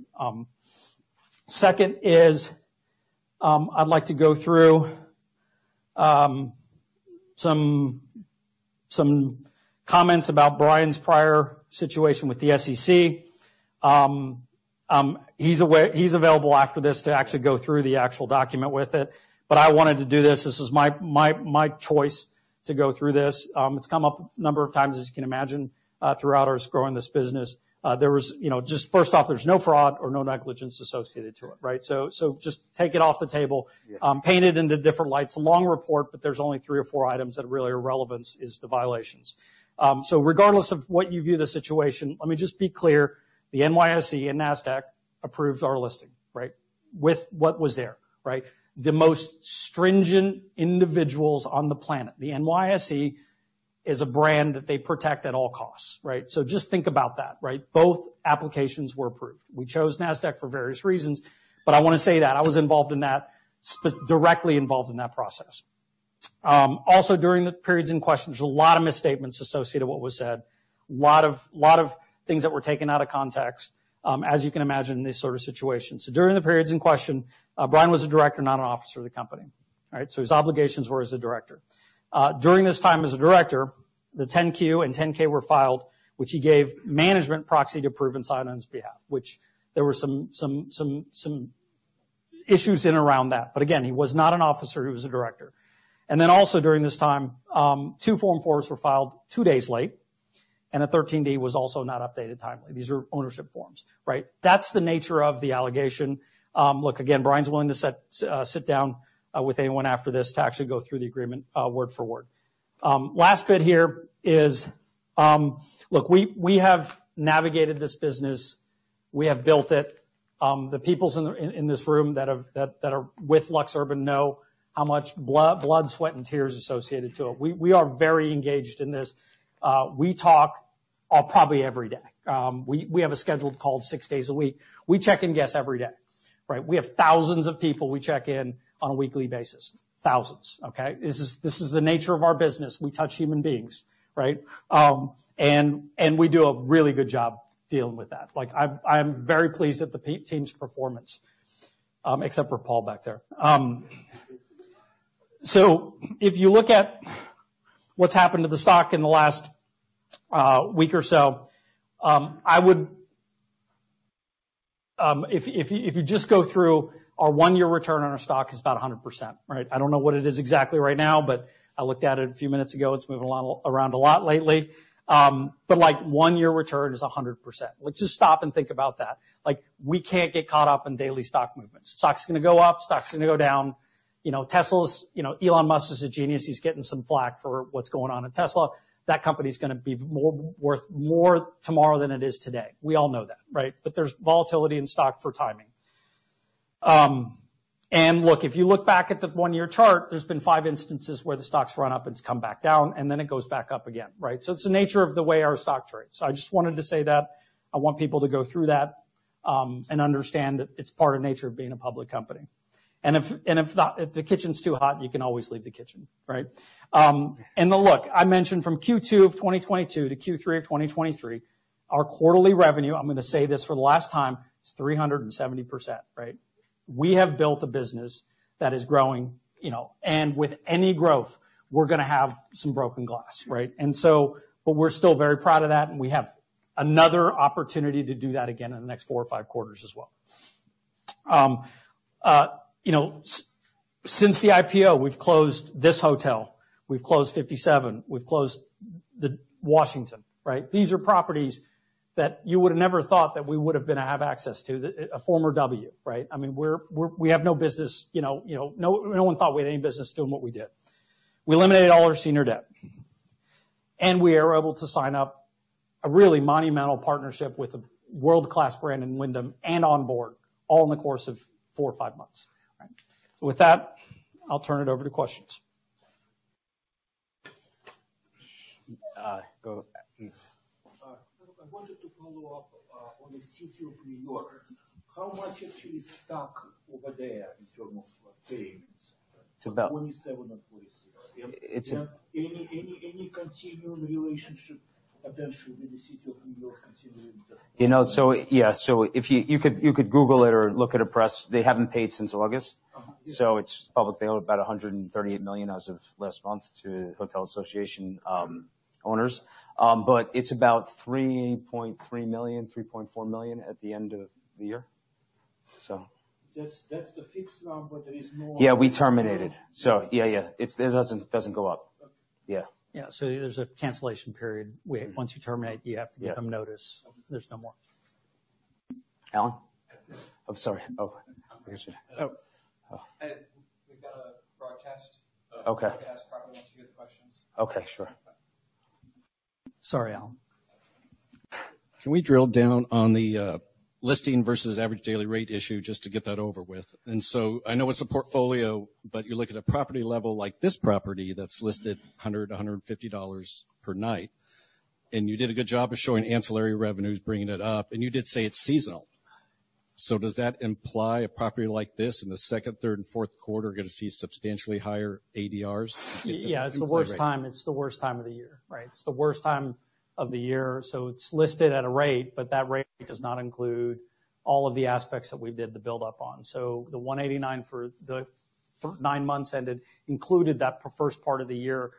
Second, I'd like to go through some comments about Brian's prior situation with the SEC. He's available after this to actually go through the actual document with it. But I wanted to do this. This is my, my, my choice to go through this. It's come up a number of times, as you can imagine, throughout us growing this business. Just first off, there's no fraud or no negligence associated to it, right? So just take it off the table. Yeah. Paint it into different lights. Long report, but there's only three or four items that really are relevant: the violations. So regardless of what you view the situation, let me just be clear. The NYSE and NASDAQ approved our listing, right? With what was there, right? The most stringent individuals on the planet. The NYSE is a brand that they protect at all costs, right? So just think about that, right? Both applications were approved. We chose NASDAQ for various reasons, but I want to say that I was involved in that, directly involved in that process. Also, during the periods in question, there's a lot of misstatements associated with what was said. A lot of, a lot of things that were taken out of context, as you can imagine, in these sort of situations. So during the periods in question, Brian was a director, not an officer of the company, right? His obligations were as a director. During this time as a director, the 10-Q and 10-K were filed, which he gave management proxy to approve and sign on his behalf, which there were some issues in around that. But again, he was not an officer, he was a director. And then also during this time, two Form 4s were filed two days late, and a 13D was also not updated timely. These are ownership forms, right? That's the nature of the allegation. Look, again, Brian's willing to sit down with anyone after this to actually go through the agreement word for word. Last bit here is, look, we have navigated this business. We have built it. The people in this room that are with LuxUrban know how much blood, sweat, and tears associated to it. We are very engaged in this. We talk probably every day. We have a scheduled call six days a week. We check in guests every day, right? We have thousands of people we check in on a weekly basis. Thousands, okay? This is the nature of our business. We touch human beings, right? And we do a really good job dealing with that. Like, I'm very pleased at the team's performance, except for Paul back there. So if you look at what's happened to the stock in the last week or so, I would... If you just go through, our one-year return on our stock is about 100%, right? I don't know what it is exactly right now, but I looked at it a few minutes ago. It's moving a lot, around a lot lately. But, like, one-year return is 100%. Let's just stop and think about that. Like, we can't get caught up in daily stock movements. Stock's gonna go up, stock's gonna go down. You know, Tesla's, you know, Elon Musk is a genius. He's getting some flak for what's going on at Tesla. That company is gonna be worth more tomorrow than it is today. We all know that, right? But there's volatility in stock for timing. Look, if you look back at the one-year chart, there's been five instances where the stock's run up, it's come back down, and then it goes back up again, right? So it's the nature of the way our stock trades. So I just wanted to say that. I want people to go through that and understand that it's part of nature of being a public company. And if, and if not, if the kitchen's too hot, you can always leave the kitchen, right? And then look, I mentioned from Q2 of 2022 to Q3 of 2023, our quarterly revenue, I'm gonna say this for the last time, is 370%, right? We have built a business that is growing, you know, and with any growth, we're gonna have some broken glass, right? But we're still very proud of that, and we have another opportunity to do that again in the next four or five quarters as well. You know, since the IPO, we've closed this hotel. We've closed 57. We've closed the Washington, right? These are properties that you would have never thought that we would have been, have access to. A former W, right? I mean, we're, we're – we have no business, you know, you know, no one thought we had any business doing what we did. We eliminated all our senior debt, and we are able to sign up a really monumental partnership with a world-class brand in Wyndham and onboard, all in the course of four or five months. So with that, I'll turn it over to questions. Go back, please. I wanted to follow up on the city of New York. How much actually stuck over there in terms of payments? It's about $2.7 million or $2.6 million. It's- Any continuing relationship potentially with the city of New York continuing? You know, so, yeah. So if you could Google it or look at a press. They haven't paid since August.So it's publicly owned about $138 million as of last month to Hotel Association owners. But it's about $3.3 million, $3.4 million at the end of the year, so. That's, that's the fixed number. There is more. Yeah, we terminated, so yeah, yeah. It doesn't go up. Okay. Yeah. Yeah. So there's a cancellation period, where once you terminate, you have to give them notice. Yeah. There's no more. Allen? I'm sorry. Oh, I appreciate it. Oh. We've got a broadcast. Okay. Ask property once you get questions. Okay, sure. Sorry, Allen. Can we drill down on the listing versus average daily rate issue, just to get that over with? And so I know it's a portfolio, but you look at a property level like this property that's listed $100-$150 per night, and you did a good job of showing ancillary revenues, bringing it up, and you did say it's seasonal. So does that imply a property like this in the second, third, and fourth quarter going to see substantially higher ADRs? Yeah, it's the worst time. It's the worst time of the year, right? It's the worst time of the year, so it's listed at a rate, but that rate does not include all of the aspects that we did the build-up on. So the $189 for the nine months ended included that first part of the year,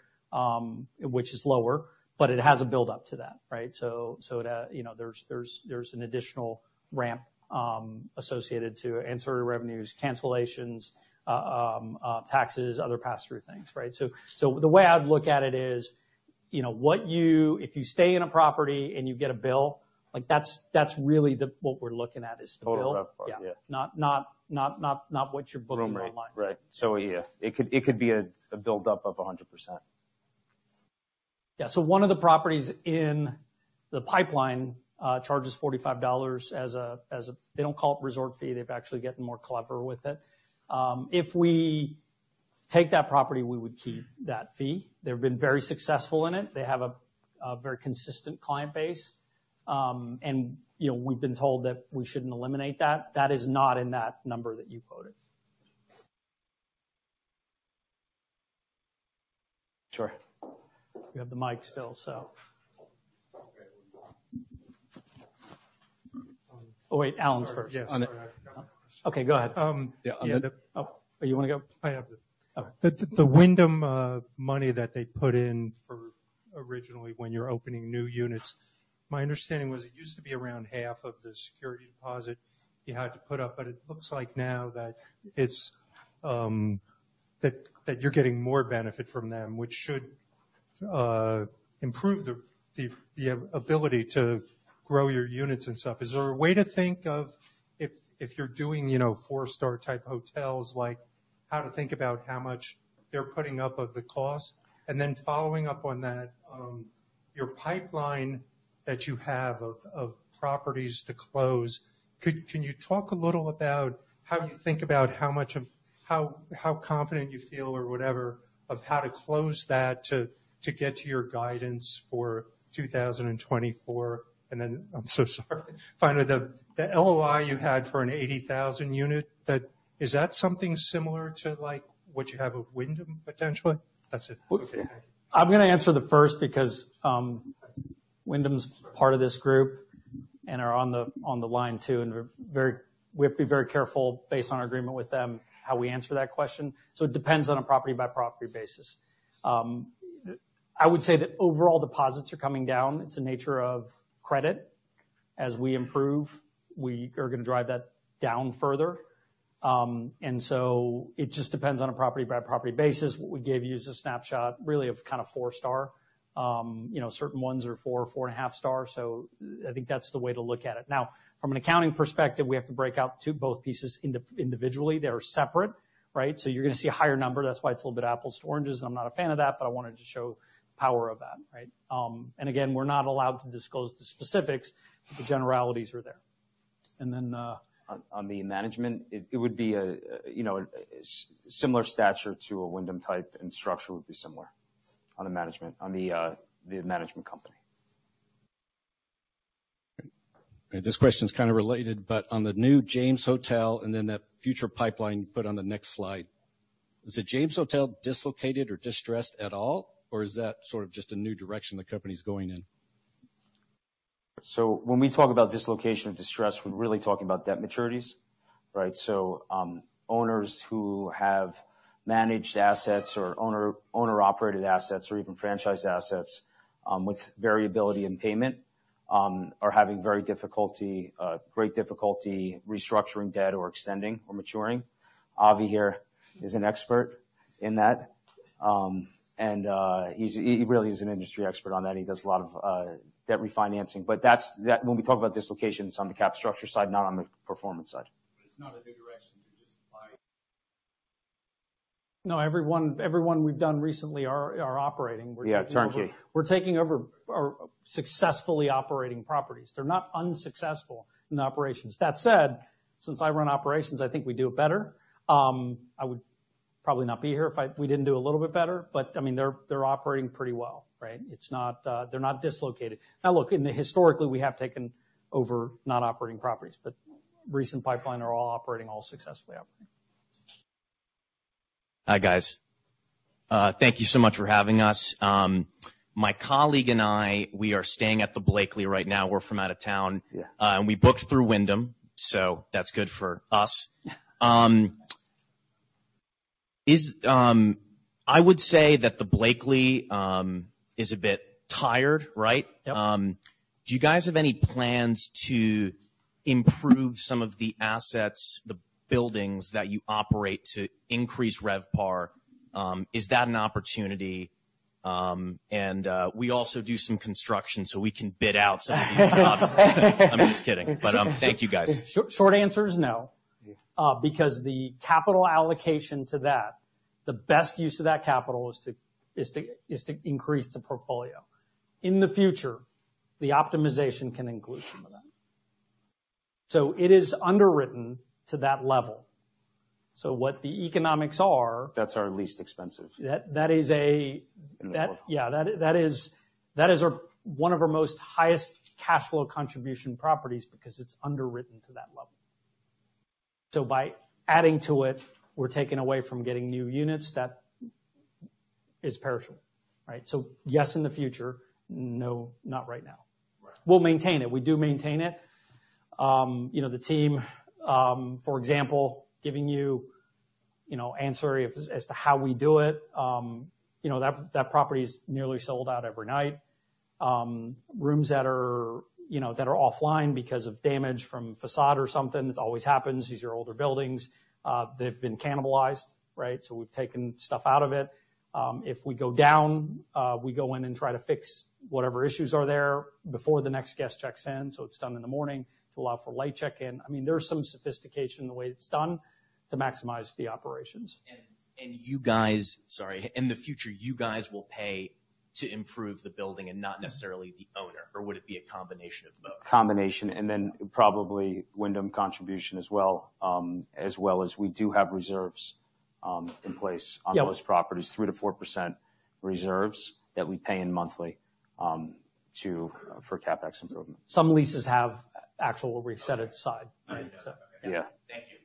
which is lower, but it has a build-up to that, right? So that, you know, there's an additional ramp associated to ancillary revenues, cancellations, taxes, other pass-through things, right? So the way I'd look at it is, you know, what you - if you stay in a property and you get a bill, like, that's really the - what we're looking at is the bill. Total part, yeah. Not what you're booking online. Room rate, right. So, yeah, it could, it could be a, a build-up of 100%. Yeah, so one of the properties in the pipeline charges $45 as a... They don't call it resort fee. They've actually gotten more clever with it. If we take that property, we would keep that fee. They've been very successful in it. They have a very consistent client base. And, you know, we've been told that we shouldn't eliminate that. That is not in that number that you quoted. Sure. You have the mic still, so. Okay, let me- Oh, wait, Allen's first. Sorry, yes. Okay, go ahead. Yeah, on the- Oh, you want to go? I have the- Okay. The Wyndham money that they put in for originally, when you're opening new units, my understanding was it used to be around half of the security deposit you had to put up, but it looks like now that it's that you're getting more benefit from them, which should improve the ability to grow your units and stuff. Is there a way to think of if you're doing, you know, four-star type hotels, like how to think about how much they're putting up of the cost? And then following up on that, your pipeline that you have of properties to close, can you talk a little about how you think about how much of how confident you feel or whatever of how to close that to get to your guidance for 2024? I'm so sorry. Finally, the LOI you had for an 80,000-unit, is that something similar to like what you have with Wyndham, potentially? That's it. I'm gonna answer the first because Wyndham's part of this group and are on the, on the line, too, and we have to be very careful based on our agreement with them, how we answer that question, so it depends on a property-by-property basis. I would say that overall deposits are coming down. It's the nature of credit. As we improve, we are gonna drive that down further. And so it just depends on a property-by-property basis. What we gave you is a snapshot, really, of kind of four star. You know, certain ones are 4-4.5 star, so I think that's the way to look at it. Now, from an accounting perspective, we have to break out to both pieces individually. They are separate, right? So you're gonna see a higher number. That's why it's a little bit apples to oranges, and I'm not a fan of that, but I wanted to show power of that, right? And again, we're not allowed to disclose the specifics, but the generalities are there. And then, On the management, it would be a, you know, similar stature to a Wyndham type, and structure would be similar on the management, the management company. This question is kind of related, but on the new James Hotel and then that future pipeline you put on the next slide, is The James Hotel dislocated or distressed at all, or is that sort of just a new direction the company's going in? So when we talk about dislocation of distress, we're really talking about debt maturities, right? Owners who have managed assets or owner-operated assets or even franchised assets with variability in payment are having very difficulty, great difficulty restructuring debt or extending or maturing. Avi here is an expert in that, and he really is an industry expert on that. He does a lot of debt refinancing, but that's that when we talk about dislocations on the cap structure side, not on the performance side. It's not a new direction to just like- No, everyone we've done recently are operating. Yeah, turnkey. We're taking over successfully operating properties. They're not unsuccessful in operations. That said, since I run operations, I think we do it better. I would probably not be here if we didn't do a little bit better, but, I mean, they're operating pretty well, right? It's not, they're not dislocated. Now, look, historically, we have taken over not operating properties, but recent pipeline are all operating, all successfully operating. Hi, guys. Thank you so much for having us. My colleague and I, we are staying at the Blakely right now. We're from out of town. Yeah. We booked through Wyndham, so that's good for us. I would say that the Blakely is a bit tired, right? Yep. Do you guys have any plans to improve some of the assets, the buildings that you operate to increase RevPAR? Is that an opportunity? We also do some construction, so we can bid out some of these jobs. I'm just kidding. Thank you, guys. Short, short answer is no. Yeah. Because the capital allocation to that, the best use of that capital is to increase the portfolio. In the future, the optimization can include some of that. So it is underwritten to that level. So what the economics are- That's our least expensive. That is a- In the portfolio. Yeah, that is our... One of our most highest cash flow contribution properties because it's underwritten to that level. So by adding to it, we're taking away from getting new units that is perishable, right? So, yes, in the future, no, not right now. Right. We'll maintain it. We do maintain it. You know, the team, for example, giving you, you know, answer as to how we do it, you know, that property is nearly sold out every night. Rooms that are, you know, offline because of damage from facade or something, this always happens. These are older buildings, they've been cannibalized, right? So we've taken stuff out of it. If we go down, we go in and try to fix whatever issues are there before the next guest checks in, so it's done in the morning to allow for late check-in. I mean, there's some sophistication in the way it's done to maximize the operations. Sorry, in the future, you guys will pay to improve the building and not necessarily the owner, or would it be a combination of both? Combination, and then probably Wyndham contribution as well. As well as we do have reserves, in place- Yeah - on those properties, 3%-4% reserves that we pay in monthly for CapEx improvement. Some leases have actual where we set it aside. All right. So. Yeah. Thank you.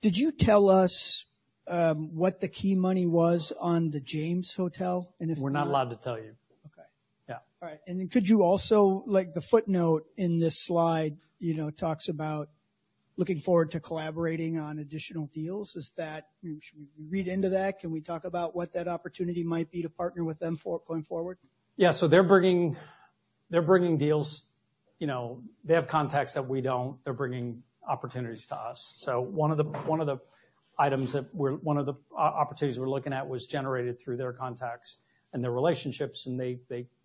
Did you tell us what the Key Money was on The James Hotel, and if- We're not allowed to tell you. Okay. Yeah. All right. And could you also, like, the footnote in this slide, you know, talks about looking forward to collaborating on additional deals. Is that... Should we read into that? Can we talk about what that opportunity might be to partner with them for going forward? Yeah, so they're bringing deals. You know, they have contacts that we don't. They're bringing opportunities to us. So one of the opportunities we're looking at was generated through their contacts and their relationships, and they,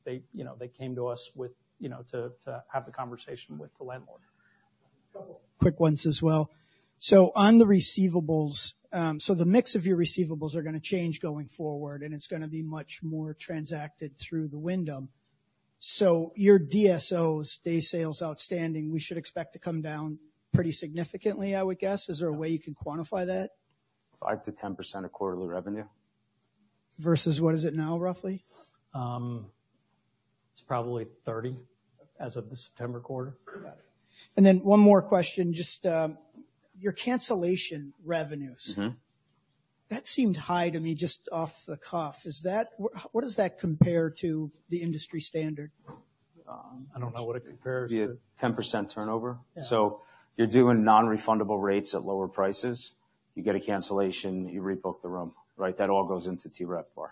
you know, they came to us with, you know, to have the conversation with the landlord. A couple quick ones as well. So on the receivables, so the mix of your receivables are gonna change going forward, and it's gonna be much more transacted through the Wyndham. So your DSO, Days Sales Outstanding, we should expect to come down pretty significantly, I would guess. Is there a way you can quantify that? 5%-10% of quarterly revenue. Versus what is it now, roughly? It's probably 30% as of the September quarter. Got it. Then one more question, just, your cancellation revenues? Mm-hmm. That seemed high to me, just off the cuff. Is that... What, what does that compare to the industry standard? I don't know what it compares to. The 10% turnover? Yeah. You're doing non-refundable rates at lower prices. You get a cancellation, you rebook the room, right? That all goes into TRevPAR.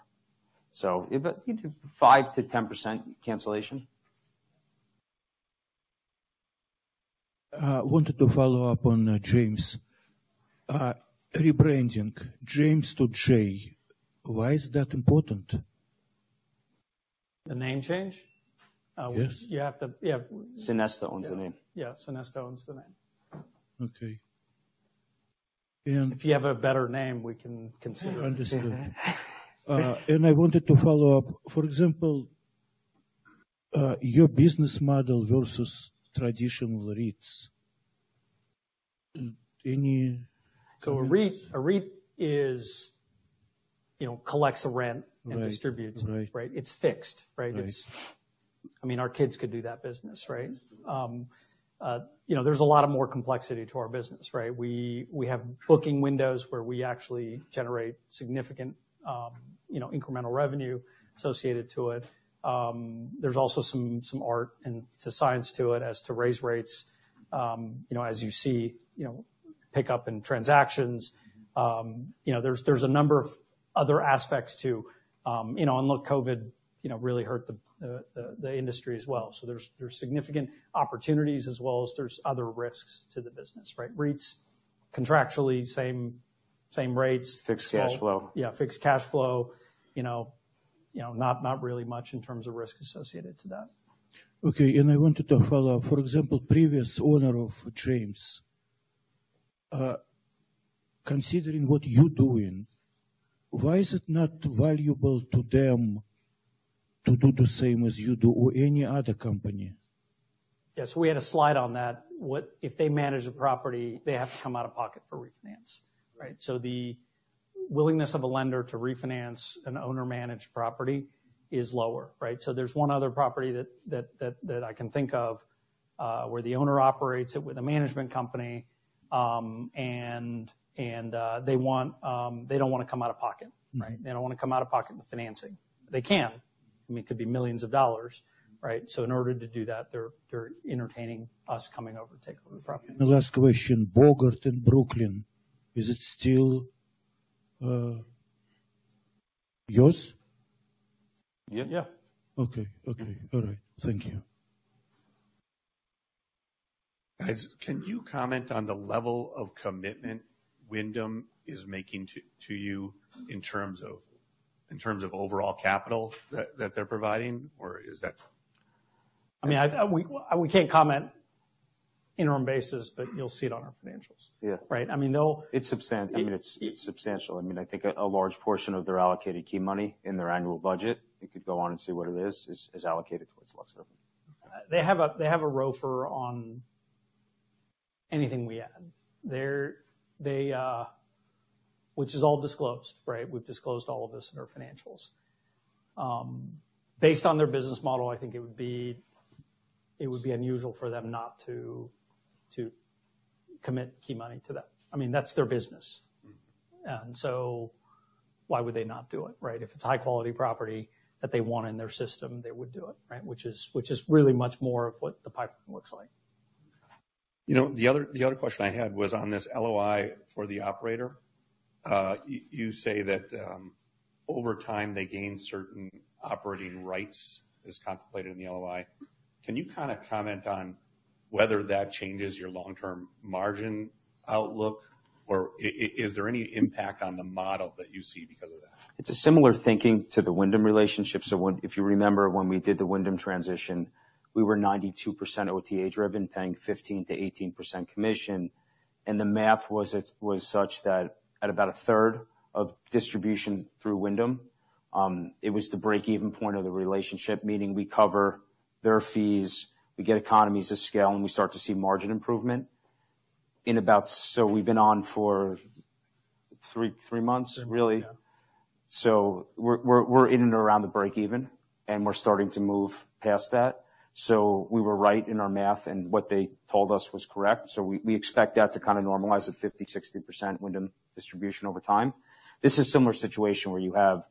But you do 5%-10% cancellation. Wanted to follow up on James. Rebranding James to J, why is that important? The name change? Yes. You have to, yeah- Sonesta owns the name. Yeah, Sonesta owns the name. Okay. And- If you have a better name, we can consider it. Understood. I wanted to follow up, for example, your business model versus traditional REITs. Any- A REIT, a REIT is, you know, collects a rent- Right. - and distributes. Right. Right? It's fixed, right? Right. I mean, our kids could do that business, right? Yes. You know, there's a lot more complexity to our business, right? We have booking windows where we actually generate significant, you know, incremental revenue associated to it. There's also some art and science to it as to raise rates, you know, as you see pickup in transactions. You know, there's a number of other aspects too, you know, and look, COVID really hurt the industry as well. So there's significant opportunities as well as there's other risks to the business, right? REITs, contractually, same, same rates. Fixed cash flow. Yeah, fixed cash flow, you know, you know, not, not really much in terms of risk associated to that. Okay, and I wanted to follow up. For example, previous owner of James, considering what you're doing, why is it not valuable to them to do the same as you do or any other company? Yes, we had a slide on that. If they manage the property, they have to come out of pocket for refinance, right? So the willingness of a lender to refinance an owner-managed property is lower, right? So there's one other property that I can think of, where the owner operates it with a management company, and they want, they don't wanna come out of pocket, right? They don't wanna come out of pocket with financing. They can't. I mean, it could be millions of dollars, right? So in order to do that, they're entertaining us coming over to take over the property. The last question, Bogart in Brooklyn, is it still yours? Yeah. Yeah. Okay. Okay. All right. Thank you. Guys, can you comment on the level of commitment Wyndham is making to you in terms of overall capital that they're providing, or is that- I mean, we can't comment interim basis, but you'll see it on our financials. Yeah. Right? I mean, they'll- It's substantial. I mean, it's substantial. I mean, I think a large portion of their allocated key money in their annual budget, you could go on and see what it is, is allocated towards LuxUrban. They have a ROFR on anything we add. They're, which is all disclosed, right? We've disclosed all of this in our financials. Based on their business model, I think it would be unusual for them not to commit key money to that. I mean, that's their business. Mm-hmm. And so why would they not do it, right? If it's high-quality property that they want in their system, they would do it, right? Which is, which is really much more of what the pipeline looks like. You know, the other question I had was on this LOI for the operator. You say that, over time, they gain certain operating rights as contemplated in the LOI. Can you kinda comment on whether that changes your long-term margin outlook, or is there any impact on the model that you see because of that? It's a similar thinking to the Wyndham relationship. So when—if you remember, when we did the Wyndham transition, we were 92% OTA driven, paying 15%-18% commission, and the math was such that at about a third of distribution through Wyndham, it was the break-even point of the relationship, meaning we cover their fees, we get economies of scale, and we start to see margin improvement. In about... So we've been on for three, three months, really? Yeah. So we're in and around the break-even, and we're starting to move past that. So we were right in our math, and what they told us was correct. So we expect that to kinda normalize at 50%-60% Wyndham distribution over time. This is a similar situation where you have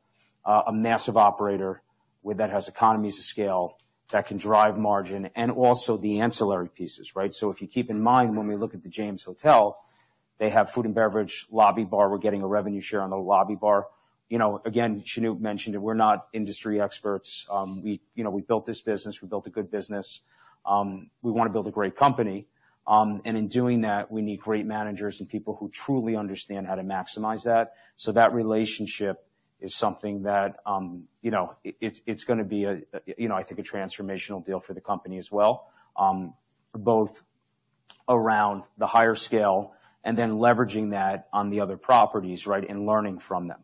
a massive operator with that has economies of scale that can drive margin and also the ancillary pieces, right? So if you keep in mind, when we look at The James Hotel, they have food and beverage, lobby bar. We're getting a revenue share on the lobby bar. You know, again, Shanoop mentioned it, we're not industry experts. You know, we built this business, we built a good business. We wanna build a great company. And in doing that, we need great managers and people who truly understand how to maximize that. So that relationship is something that, you know, it's, it's gonna be a, you know, I think, a transformational deal for the company as well, both around the higher scale and then leveraging that on the other properties, right? And learning from them,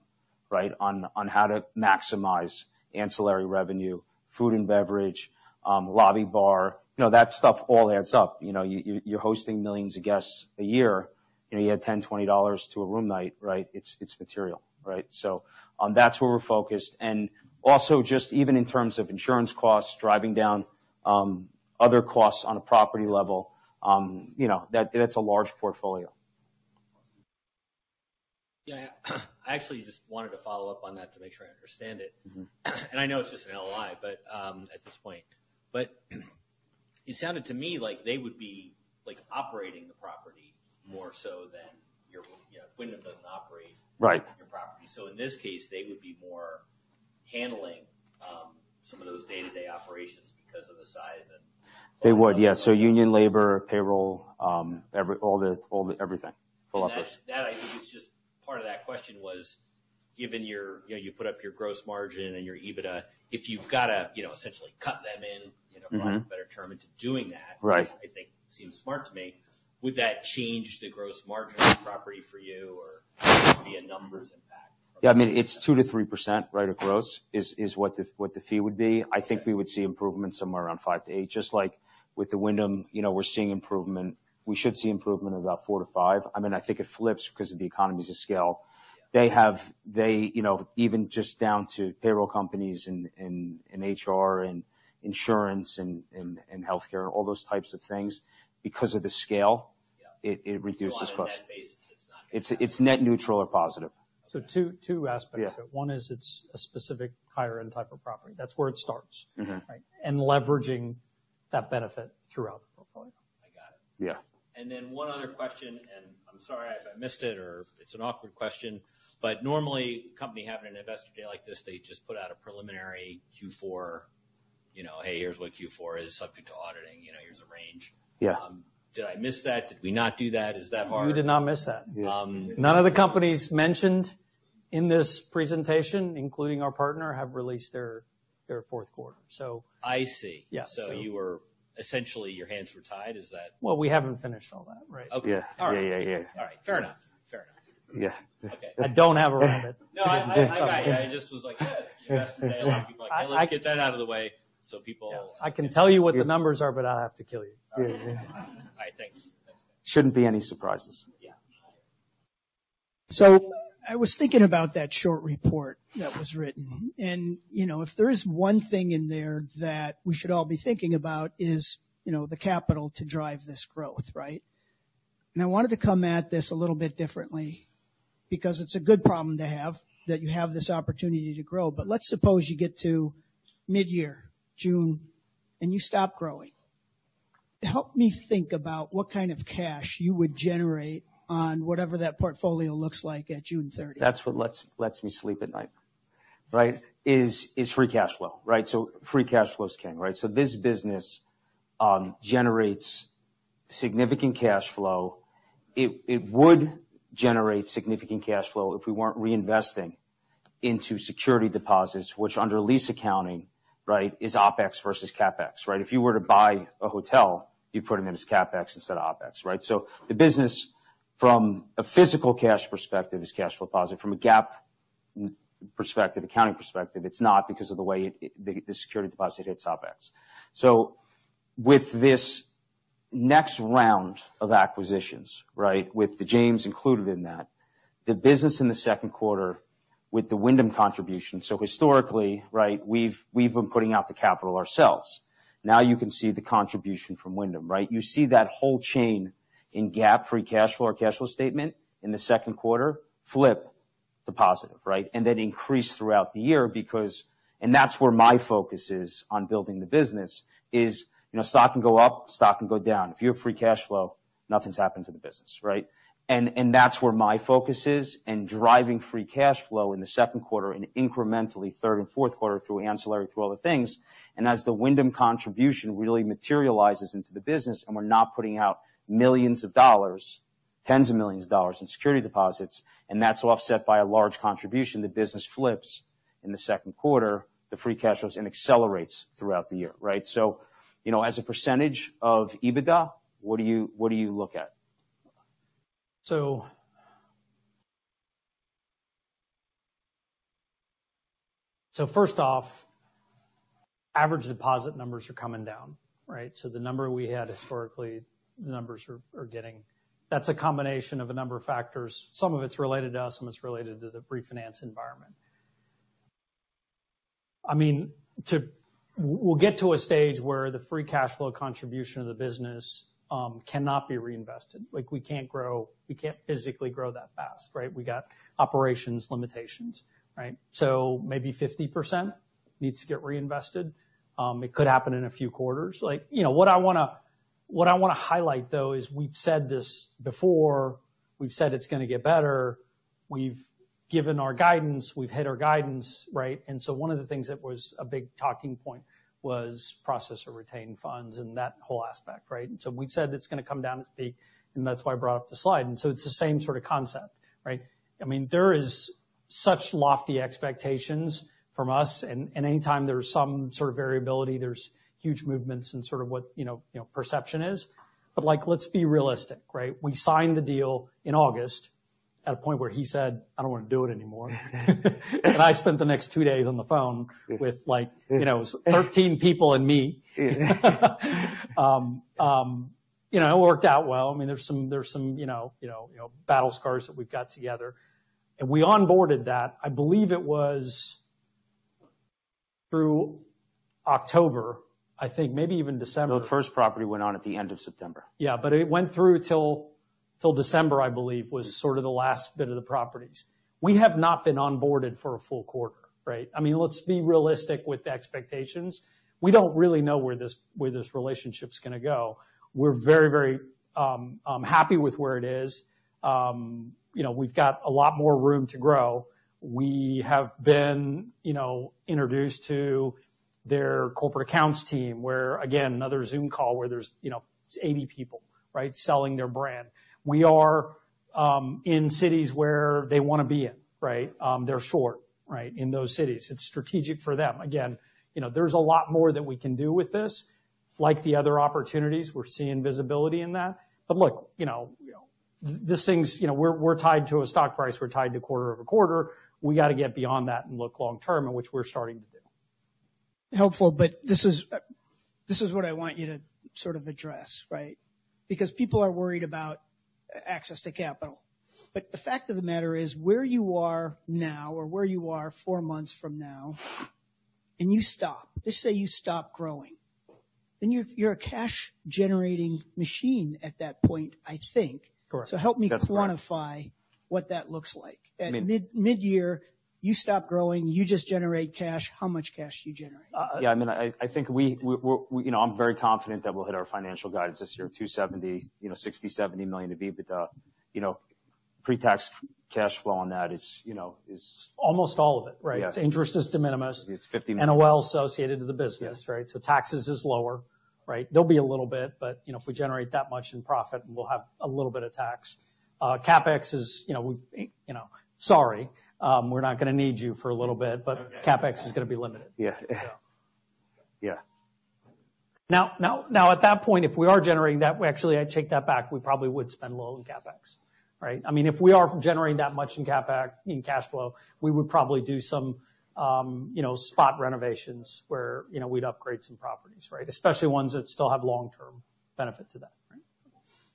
right? On, on how to maximize ancillary revenue, food and beverage, lobby bar. You know, that stuff all adds up. You know, you, you, you're hosting millions of guests a year, and you add $10-$20 to a room night, right? It's, it's material, right? So, that's where we're focused. And also, just even in terms of insurance costs, driving down, other costs on a property level, you know, that, that's a large portfolio. Yeah, I actually just wanted to follow up on that to make sure I understand it. Mm-hmm. And I know it's just an LOI, but, at this point. But it sounded to me like they would be, like, operating the property more so than your... You know, Wyndham doesn't operate- Right. your property. So in this case, they would be more handling some of those day-to-day operations because of the size and- They would, yeah. So union labor, payroll, all the everything. Full operation. That, I think, is just... Part of that question was, given your... You know, you put up your gross margin and your EBITDA. If you've got to, you know, essentially cut them in, you know- Mm-hmm. for lack of a better term, into doing that Right. which I think seems smart to me, would that change the gross margin profile for you or via numbers impact? Yeah, I mean, it's 2%-3% of gross, right, is what the fee would be. Yeah. I think we would see improvement somewhere around 5%-8%. Just like with the Wyndham, you know, we're seeing improvement. We should see improvement of about 4%-5%. I mean, I think it flips because of the economies of scale. Yeah. They have, they, you know, even just down to payroll companies and HR and insurance and healthcare, all those types of things, because of the scale- Yeah. it reduces costs. On a net basis, it's not- It's net neutral or positive. Two, two aspects. Yeah. One is it's a specific higher-end type of property. That's where it starts. Mm-hmm. Right? And leveraging that benefit throughout the portfolio. I got it. Yeah. Then one other question, and I'm sorry if I missed it or it's an awkward question, but normally, a company having an investor day like this, they just put out a preliminary Q4. You know, "Hey, here's what Q4 is subject to auditing." You know, "Here's a range. Yeah. Did I miss that? Did we not do that? Is that hard? You did not miss that. Yeah. None of the companies mentioned in this presentation, including our partner, have released their fourth quarter, so. I see. Yeah, so- So you were essentially, your hands were tied, is that? Well, we haven't finished all that, right? Okay. Yeah. All right. Yeah, yeah, yeah. All right. Fair enough. Fair enough. Yeah. Okay. I don't have a problem with it. No, I just was like, you asked today, I want people to get that out of the way so people- I can tell you what the numbers are, but I'll have to kill you. Shouldn't be any surprises. Yeah. So I was thinking about that short report that was written, and, you know, if there is one thing in there that we should all be thinking about is, you know, the capital to drive this growth, right? And I wanted to come at this a little bit differently because it's a good problem to have, that you have this opportunity to grow. But let's suppose you get to midyear, June, and you stop growing. Help me think about what kind of cash you would generate on whatever that portfolio looks like at June 30. That's what lets me sleep at night, right, is free cash flow, right? So free cash flow is king, right? So this business generates significant cash flow. It would generate significant cash flow if we weren't reinvesting into security deposits, which under lease accounting, right, is OpEx versus CapEx, right? If you were to buy a hotel, you'd put them in as CapEx instead of OpEx, right? So the business from a physical cash perspective is cash flow positive. From a GAAP perspective, accounting perspective, it's not because of the way the security deposit hits OpEx. So with this next round of acquisitions, right, with The James included in that, the business in the second quarter with the Wyndham contribution. So historically, right, we've been putting out the capital ourselves. Now you can see the contribution from Wyndham, right? You see that whole chain in GAAP, free cash flow or cash flow statement in the second quarter, flip to positive, right? And then increase throughout the year because... And that's where my focus is on building the business is, you know, stock can go up, stock can go down. If you have free cash flow, nothing's happened to the business, right? And, and that's where my focus is in driving free cash flow in the second quarter and incrementally third and fourth quarter through ancillary, through other things. And as the Wyndham contribution really materializes into the business, and we're not putting out millions of dollars, tens of millions dollars in security deposits, and that's offset by a large contribution, the business flips in the second quarter, the free cash flows and accelerates throughout the year, right? You know, as a percentage of EBITDA, what do you, what do you look at? So first off, average deposit numbers are coming down, right? So the number we had historically, the numbers are getting-- That's a combination of a number of factors. Some of it's related to us, some it's related to the refinance environment. I mean, we'll get to a stage where the free cash flow contribution of the business cannot be reinvested. Like, we can't grow, we can't physically grow that fast, right? We got operations limitations, right? So maybe 50% needs to get reinvested. It could happen in a few quarters. Like, you know, what I wanna highlight, though, is we've said this before. We've said it's gonna get better. We've given our guidance, we've hit our guidance, right? And so one of the things that was a big talking point was processor retained funds and that whole aspect, right? And so we've said it's gonna come down to peak, and that's why I brought up the slide. And so it's the same sort of concept, right? I mean, there is such lofty expectations from us, and, and anytime there's some sort of variability, there's huge movements in sort of what, you know, you know, perception is. But, like, let's be realistic, right? We signed the deal in August at a point where he said, "I don't want to do it anymore." And I spent the next two days on the phone with, like, you know, 13 people and me. You know, it worked out well. I mean, there's some, there's some, you know, you know, you know, battle scars that we've got together. And we onboarded that. I believe it was through October, I think maybe even December. The first property went on at the end of September. Yeah, but it went through till December, I believe, was sort of the last bit of the properties. We have not been onboarded for a full quarter, right? I mean, let's be realistic with the expectations. We don't really know where this relationship is gonna go. We're very, very happy with where it is. You know, we've got a lot more room to grow. We have been, you know, introduced to their corporate accounts team, where, again, another Zoom call, where there's, you know, it's 80 people, right, selling their brand. We are in cities where they wanna be in, right? They're short, right, in those cities. It's strategic for them. Again, you know, there's a lot more that we can do with this. Like, the other opportunities, we're seeing visibility in that. But look, you know, you know, these things, you know, we're, we're tied to a stock price, we're tied to quarter-over-quarter. We got to get beyond that and look long term, and which we're starting to do. Helpful, but this is, this is what I want you to sort of address, right? Because people are worried about access to capital. But the fact of the matter is, where you are now or where you are four months from now, and you stop, let's say you stop growing, then you're, you're a cash-generating machine at that point, I think. Correct. So help me- That's correct. - quantify what that looks like. I mean- At midyear, you stop growing, you just generate cash. How much cash do you generate? Yeah, I mean, I think we, you know, I'm very confident that we'll hit our financial guidance this year, $270 million, you know, $60 million-$70 million to be, but, you know, pretax cash flow on that is, you know, is- Almost all of it, right? Yes. Interest is de minimis. It's $50 million- NOL associated to the business. Yes. Right? So taxes is lower, right? There'll be a little bit, but, you know, if we generate that much in profit, we'll have a little bit of tax. CapEx is, you know, sorry, we're not gonna need you for a little bit, but CapEx is gonna be limited. Yeah. Yeah. Now, now, now, at that point, if we are generating that, we actually, I take that back. We probably would spend low in CapEx, right? I mean, if we are generating that much in CapEx, in cash flow, we would probably do some, you know, spot renovations where, you know, we'd upgrade some properties, right? Especially ones that still have long-term benefit to them, right?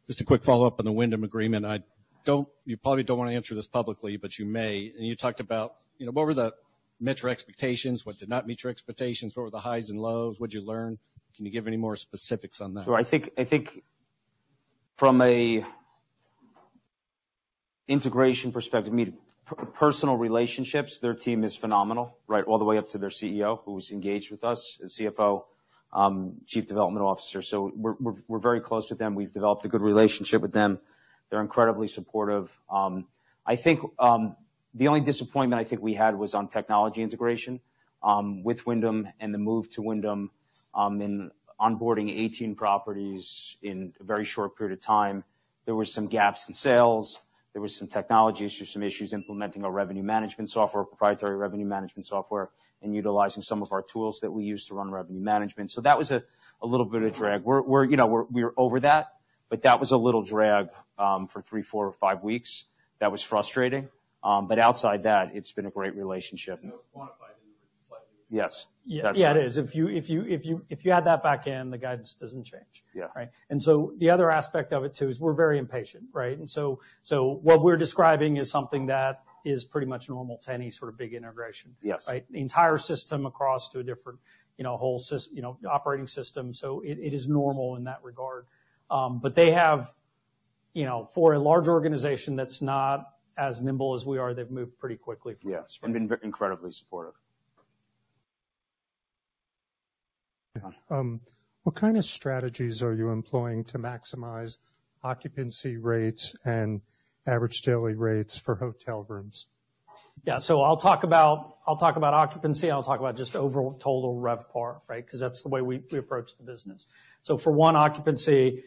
Just a quick follow-up on the Wyndham agreement. You probably don't want to answer this publicly, but you may. You talked about, you know, what met your expectations? What did not meet your expectations? What were the highs and lows? What did you learn? Can you give any more specifics on that? So I think from an integration perspective, I mean, personal relationships, their team is phenomenal, right? All the way up to their CEO, who's engaged with us, the CFO, Chief Development Officer. So we're very close with them. We've developed a good relationship with them. They're incredibly supportive. I think the only disappointment I think we had was on technology integration with Wyndham and the move to Wyndham in onboarding 18 properties in a very short period of time. There were some gaps in sales. There were some technology issues, some issues implementing our revenue management software, proprietary revenue management software, and utilizing some of our tools that we use to run revenue management. So that was a little bit of drag. You know, we're over that, but that was a little drag for three, four, or five weeks. That was frustrating. But outside that, it's been a great relationship. No quantified in slightly? Yes. Yeah, it is. If you add that back in, the guidance doesn't change. Yeah. Right? And so the other aspect of it, too, is we're very impatient, right? And so, so what we're describing is something that is pretty much normal to any sort of big integration. Yes. Right? The entire system across to a different, you know, whole sys- you know, operating system. So it is normal in that regard. But they have, you know, for a large organization that's not as nimble as we are, they've moved pretty quickly from this. Yes, and been incredibly supportive. Yeah. What kind of strategies are you employing to maximize occupancy rates and average daily rates for hotel rooms? Yeah, so I'll talk about, I'll talk about occupancy, I'll talk about just overall total RevPAR, right? Because that's the way we, we approach the business. So for one, occupancy,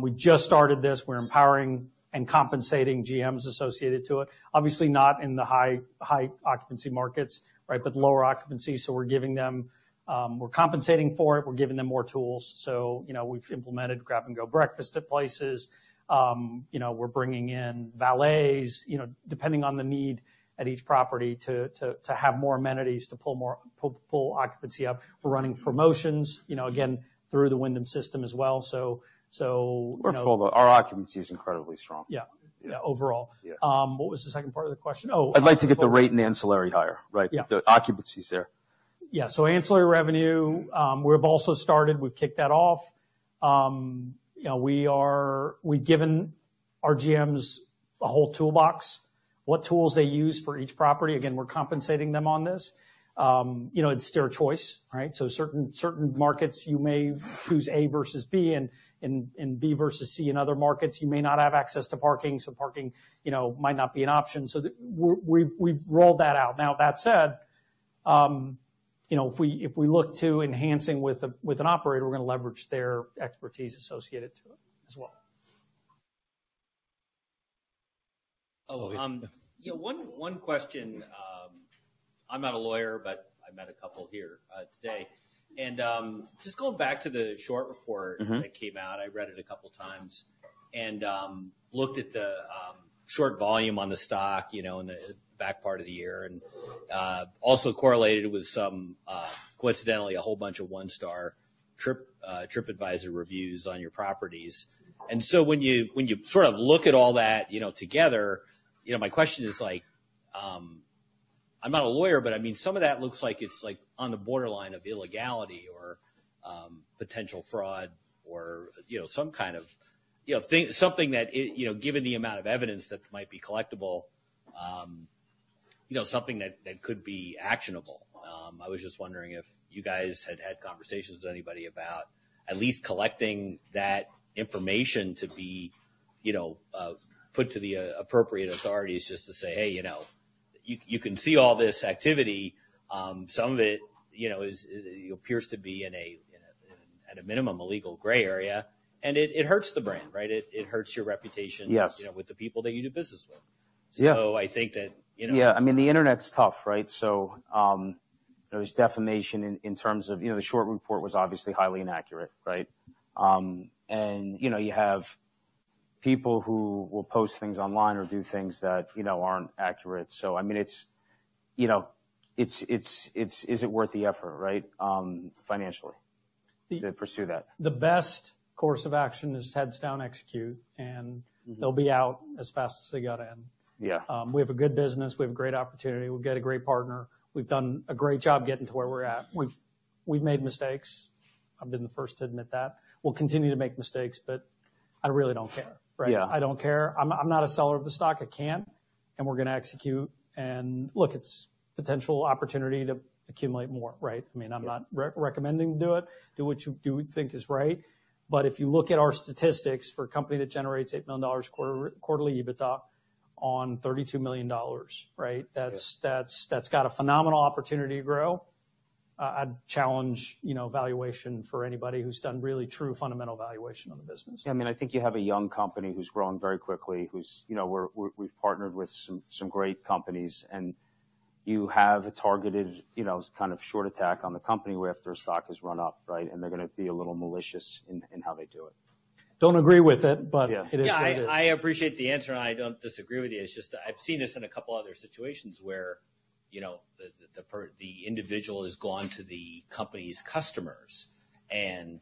we just started this. We're empowering and compensating GMs associated to it. Obviously, not in the high, high occupancy markets, right? But lower occupancy, so we're giving them... We're compensating for it, we're giving them more tools. So, you know, we've implemented grab-and-go breakfast at places. You know, we're bringing in valets, you know, depending on the need at each property, to, to, to have more amenities, to pull more, pull, pull occupancy up. We're running promotions, you know, again, through the Wyndham system as well, so, so- We're full, but our occupancy is incredibly strong. Yeah. Yeah, overall. Yeah. What was the second part of the question? Oh- I'd like to get the rate and ancillary higher, right? Yeah. The occupancy is there. Yeah, so ancillary revenue, we've also started, we've kicked that off. You know, we've given our GMs a whole toolbox. What tools they use for each property, again, we're compensating them on this. You know, it's their choice, right? So certain markets, you may choose A versus B, and B versus C. In other markets, you may not have access to parking, so parking, you know, might not be an option. So the... We've rolled that out. Now, that said, you know, if we look to enhancing with an operator, we're going to leverage their expertise associated to it as well. Oh, um- Yeah, one question. I'm not a lawyer, but I met a couple here today. And just going back to the short report- Mm-hmm -that came out, I read it a couple of times and, looked at the, short volume on the stock, you know, in the back part of the year, and, also correlated with some, coincidentally, a whole bunch of one-star TripAdvisor reviews on your properties. And so when you, when you sort of look at all that, you know, together, you know, my question is like, I'm not a lawyer, but I mean, some of that looks like it's, like, on the borderline of illegality or, potential fraud, or, you know, some kind of, you know, thing-- something that, it, you know, given the amount of evidence that might be collectible, you know, something that, that could be actionable. I was just wondering if you guys had had conversations with anybody about at least collecting that information to be, you know, put to the appropriate authorities, just to say, "Hey, you know, you, you can see all this activity. Some of it, you know, is, appears to be in a, at a minimum, a legal gray area," and it, it hurts the brand, right? It, it hurts your reputation- Yes... you know, with the people that you do business with. Yeah. I think that, you know- Yeah, I mean, the internet's tough, right? So, there's defamation in terms of... You know, the short report was obviously highly inaccurate, right? And, you know, you have people who will post things online or do things that, you know, aren't accurate. So, I mean, it's, you know, is it worth the effort, right, financially, to pursue that? The best course of action is heads down, execute, and- Mm-hmm They'll be out as fast as they got in. Yeah. We have a good business. We have great opportunity. We've got a great partner. We've done a great job getting to where we're at. We've made mistakes. I've been the first to admit that. We'll continue to make mistakes, but I really don't care, right? Yeah. I don't care. I'm, I'm not a seller of the stock, I can't. We're gonna execute. Look, it's potential opportunity to accumulate more, right? I mean, I'm not re-recommending to do it. Do what you do think is right. But if you look at our statistics for a company that generates $8 million quarterly EBITDA on $32 million, right? Yeah. That's got a phenomenal opportunity to grow. I'd challenge, you know, valuation for anybody who's done really true fundamental valuation on the business. Yeah, I mean, I think you have a young company who's growing very quickly, who's, you know, we've partnered with some great companies, and you have a targeted, you know, kind of short attack on the company after stock has run off, right? And they're gonna be a little malicious in how they do it. Don't agree with it, but- Yeah... it is what it is. Yeah, I appreciate the answer, and I don't disagree with you. It's just that I've seen this in a couple other situations where- ... you know, the individual has gone to the company's customers and,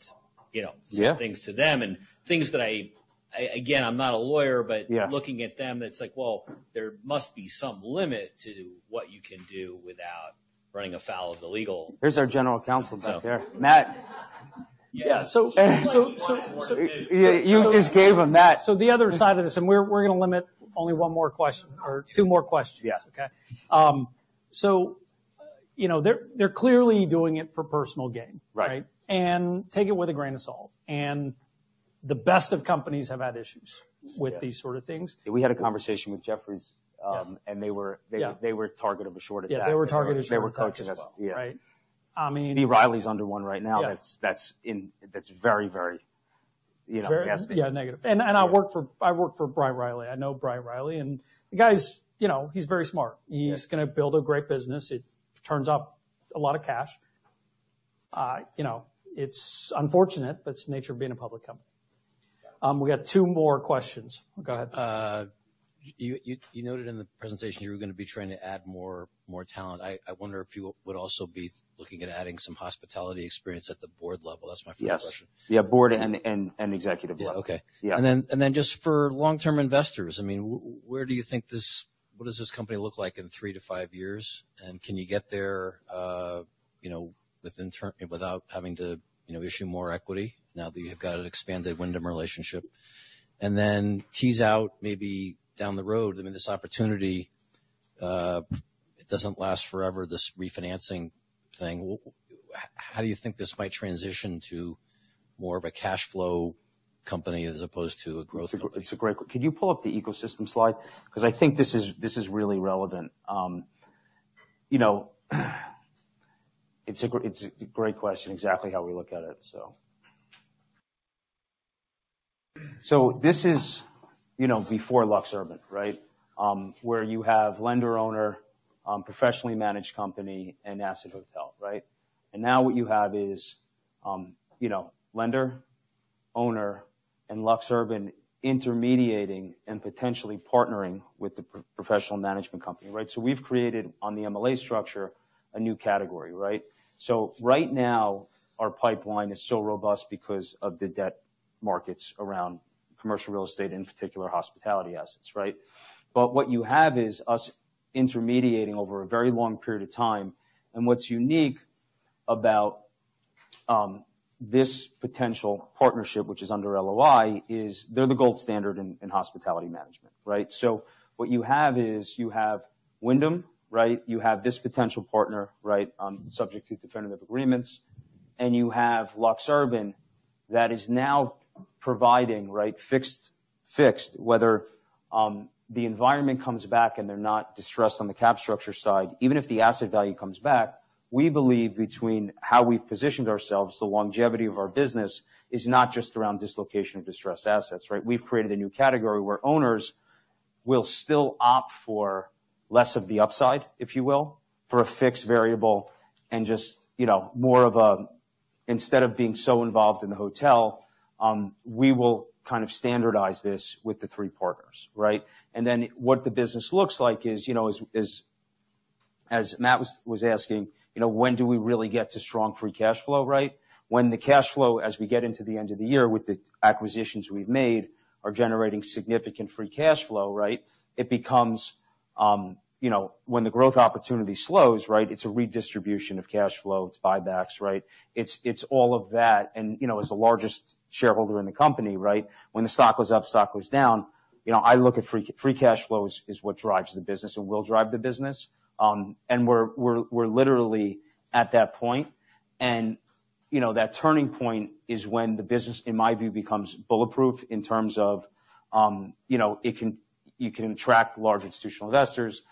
you know- Yeah. said things to them and things that I, again, I'm not a lawyer, but. Yeah. Looking at them, it's like, well, there must be some limit to what you can do without running afoul of the legal. There's our general counsel back there. Matt. Yeah, so... You just gave him that. So the other side of this, and we're gonna limit only one more question or two more questions. Yeah. Okay? So, you know, they're clearly doing it for personal gain. Right. Right? Take it with a grain of salt. The best of companies have had issues with these sort of things. We had a conversation with Jefferies. Yeah. and they were Yeah. They were the target of a short attack. Yeah, they were the target of a short attack as well. They were targeted, yeah. Right. I mean- Riley's under one right now. Yeah. That's very, very, you know, nasty. Very, yeah, negative. Yeah. I work for B. Riley. I know B. Riley, and the guy's, you know, he's very smart. Yeah. He's gonna build a great business. It turns up a lot of cash. You know, it's unfortunate, but it's the nature of being a public company. We got two more questions. Go ahead. You noted in the presentation you were gonna be trying to add more talent. I wonder if you would also be looking at adding some hospitality experience at the board level? That's my first question. Yes. Yeah, board and executive level. Yeah. Okay. Yeah. And then just for long-term investors, I mean, where do you think this—what does this company look like in three to five years? And can you get there, you know, without having to, you know, issue more equity now that you've got an expanded Wyndham relationship? And then tease out, maybe down the road, I mean, this opportunity, it doesn't last forever, this refinancing thing. How do you think this might transition to more of a cash flow company as opposed to a growth company? It's a great question. Could you pull up the ecosystem slide? Because I think this is really relevant. You know, it's a great question, exactly how we look at it, so. So this is, you know, before LuxUrban, right? Where you have lender, owner, professionally managed company, and asset hotel, right? And now what you have is, you know, lender, owner, and LuxUrban intermediating and potentially partnering with the professional management company, right? So we've created, on the MLA structure, a new category, right? So right now, our pipeline is so robust because of the debt markets around commercial real estate, in particular, hospitality assets, right? But what you have is us intermediating over a very long period of time. What's unique about this potential partnership, which is under LOI, is they're the gold standard in hospitality management, right? So what you have is, you have Wyndham, right? You have this potential partner, right, on subject to definitive agreements, and you have LuxUrban that is now providing, right, fixed, fixed, whether the environment comes back and they're not distressed on the cap structure side. Even if the asset value comes back, we believe between how we've positioned ourselves, the longevity of our business is not just around dislocation of distressed assets, right? We've created a new category where owners will still opt for less of the upside, if you will, for a fixed variable and just, you know, more of a, instead of being so involved in the hotel, we will kind of standardize this with the three partners, right? And then what the business looks like is, you know, as Matt was asking, you know, when do we really get to strong free cash flow, right? When the cash flow, as we get into the end of the year with the acquisitions we've made, are generating significant free cash flow, right? It becomes, you know, when the growth opportunity slows, right, it's a redistribution of cash flow, it's buybacks, right? It's all of that. And, you know, as the largest shareholder in the company, right, when the stock goes up, stock goes down, you know, I look at free cash flow is what drives the business and will drive the business. And we're literally at that point. And, you know, that turning point is when the business, in my view, becomes bulletproof in terms of, you know, you can attract large institutional investors.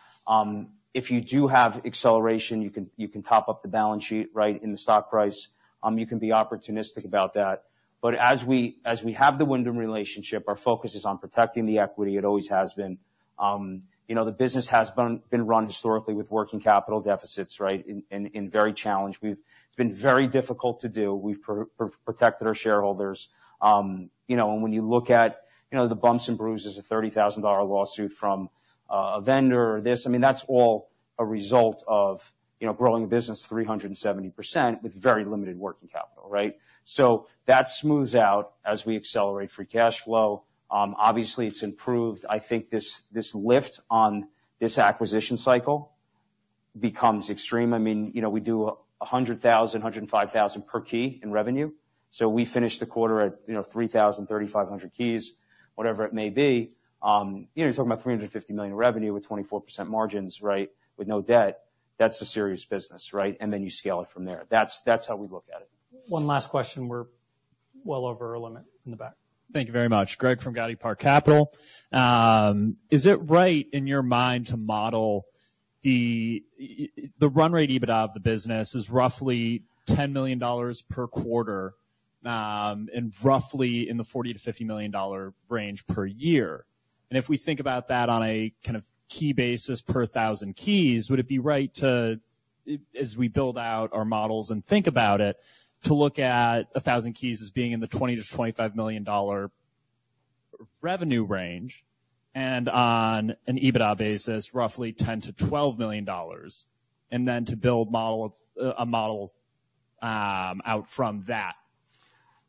If you do have acceleration, you can top up the balance sheet, right, in the stock price. You can be opportunistic about that. But as we have the Wyndham relationship, our focus is on protecting the equity. It always has been. You know, the business has been run historically with working capital deficits, right? And in very challenged... It's been very difficult to do. We've protected our shareholders. You know, and when you look at, you know, the bumps and bruises, a $30,000 lawsuit from, a vendor or this, I mean, that's all a result of, you know, growing a business 370% with very limited working capital, right? So that smooths out as we accelerate free cash flow. Obviously, it's improved. I think this, this lift on this acquisition cycle becomes extreme. I mean, you know, we do $100,000-$105,000 per key in revenue, so we finish the quarter at, you know, 3,000-3,500 keys, whatever it may be. You know, you're talking about $350 million revenue with 24% margins, right, with no debt. That's a serious business, right? And then you scale it from there. That's, that's how we look at it. One last question. We're well over our limit. In the back. Thank you very much. Greg from Goudy Park Capital. Is it right in your mind to model the run rate EBITDA of the business is roughly $10 million per quarter, and roughly in the $40 million-$50 million range per year. And if we think about that on a kind of key basis per 1,000 keys, would it be right to, as we build out our models and think about it, to look at 1,000 keys as being in the $20 million-$25 million revenue range, and on an EBITDA basis, roughly $10 million-$12 million, and then to build a model out from that?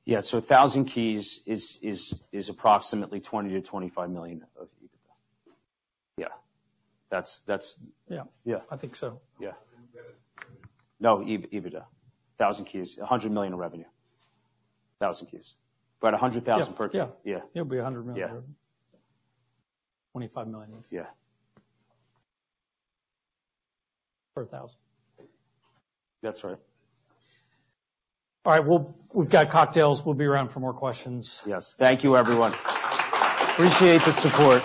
Yeah. So 1,000 keys is approximately $20 million-$25 million of EBITDA. Yeah. That's, that's- Yeah. Yeah. I think so. Yeah. No, EBITDA. 1,000 keys, $100 million in revenue. 1,000 keys. About $100,000 per key. Yeah. Yeah. It'll be $100 million revenue. Yeah. $25 million. Yeah. Per thousand. That's right. All right, well, we've got cocktails. We'll be around for more questions. Yes. Thank you, everyone. Appreciate the support.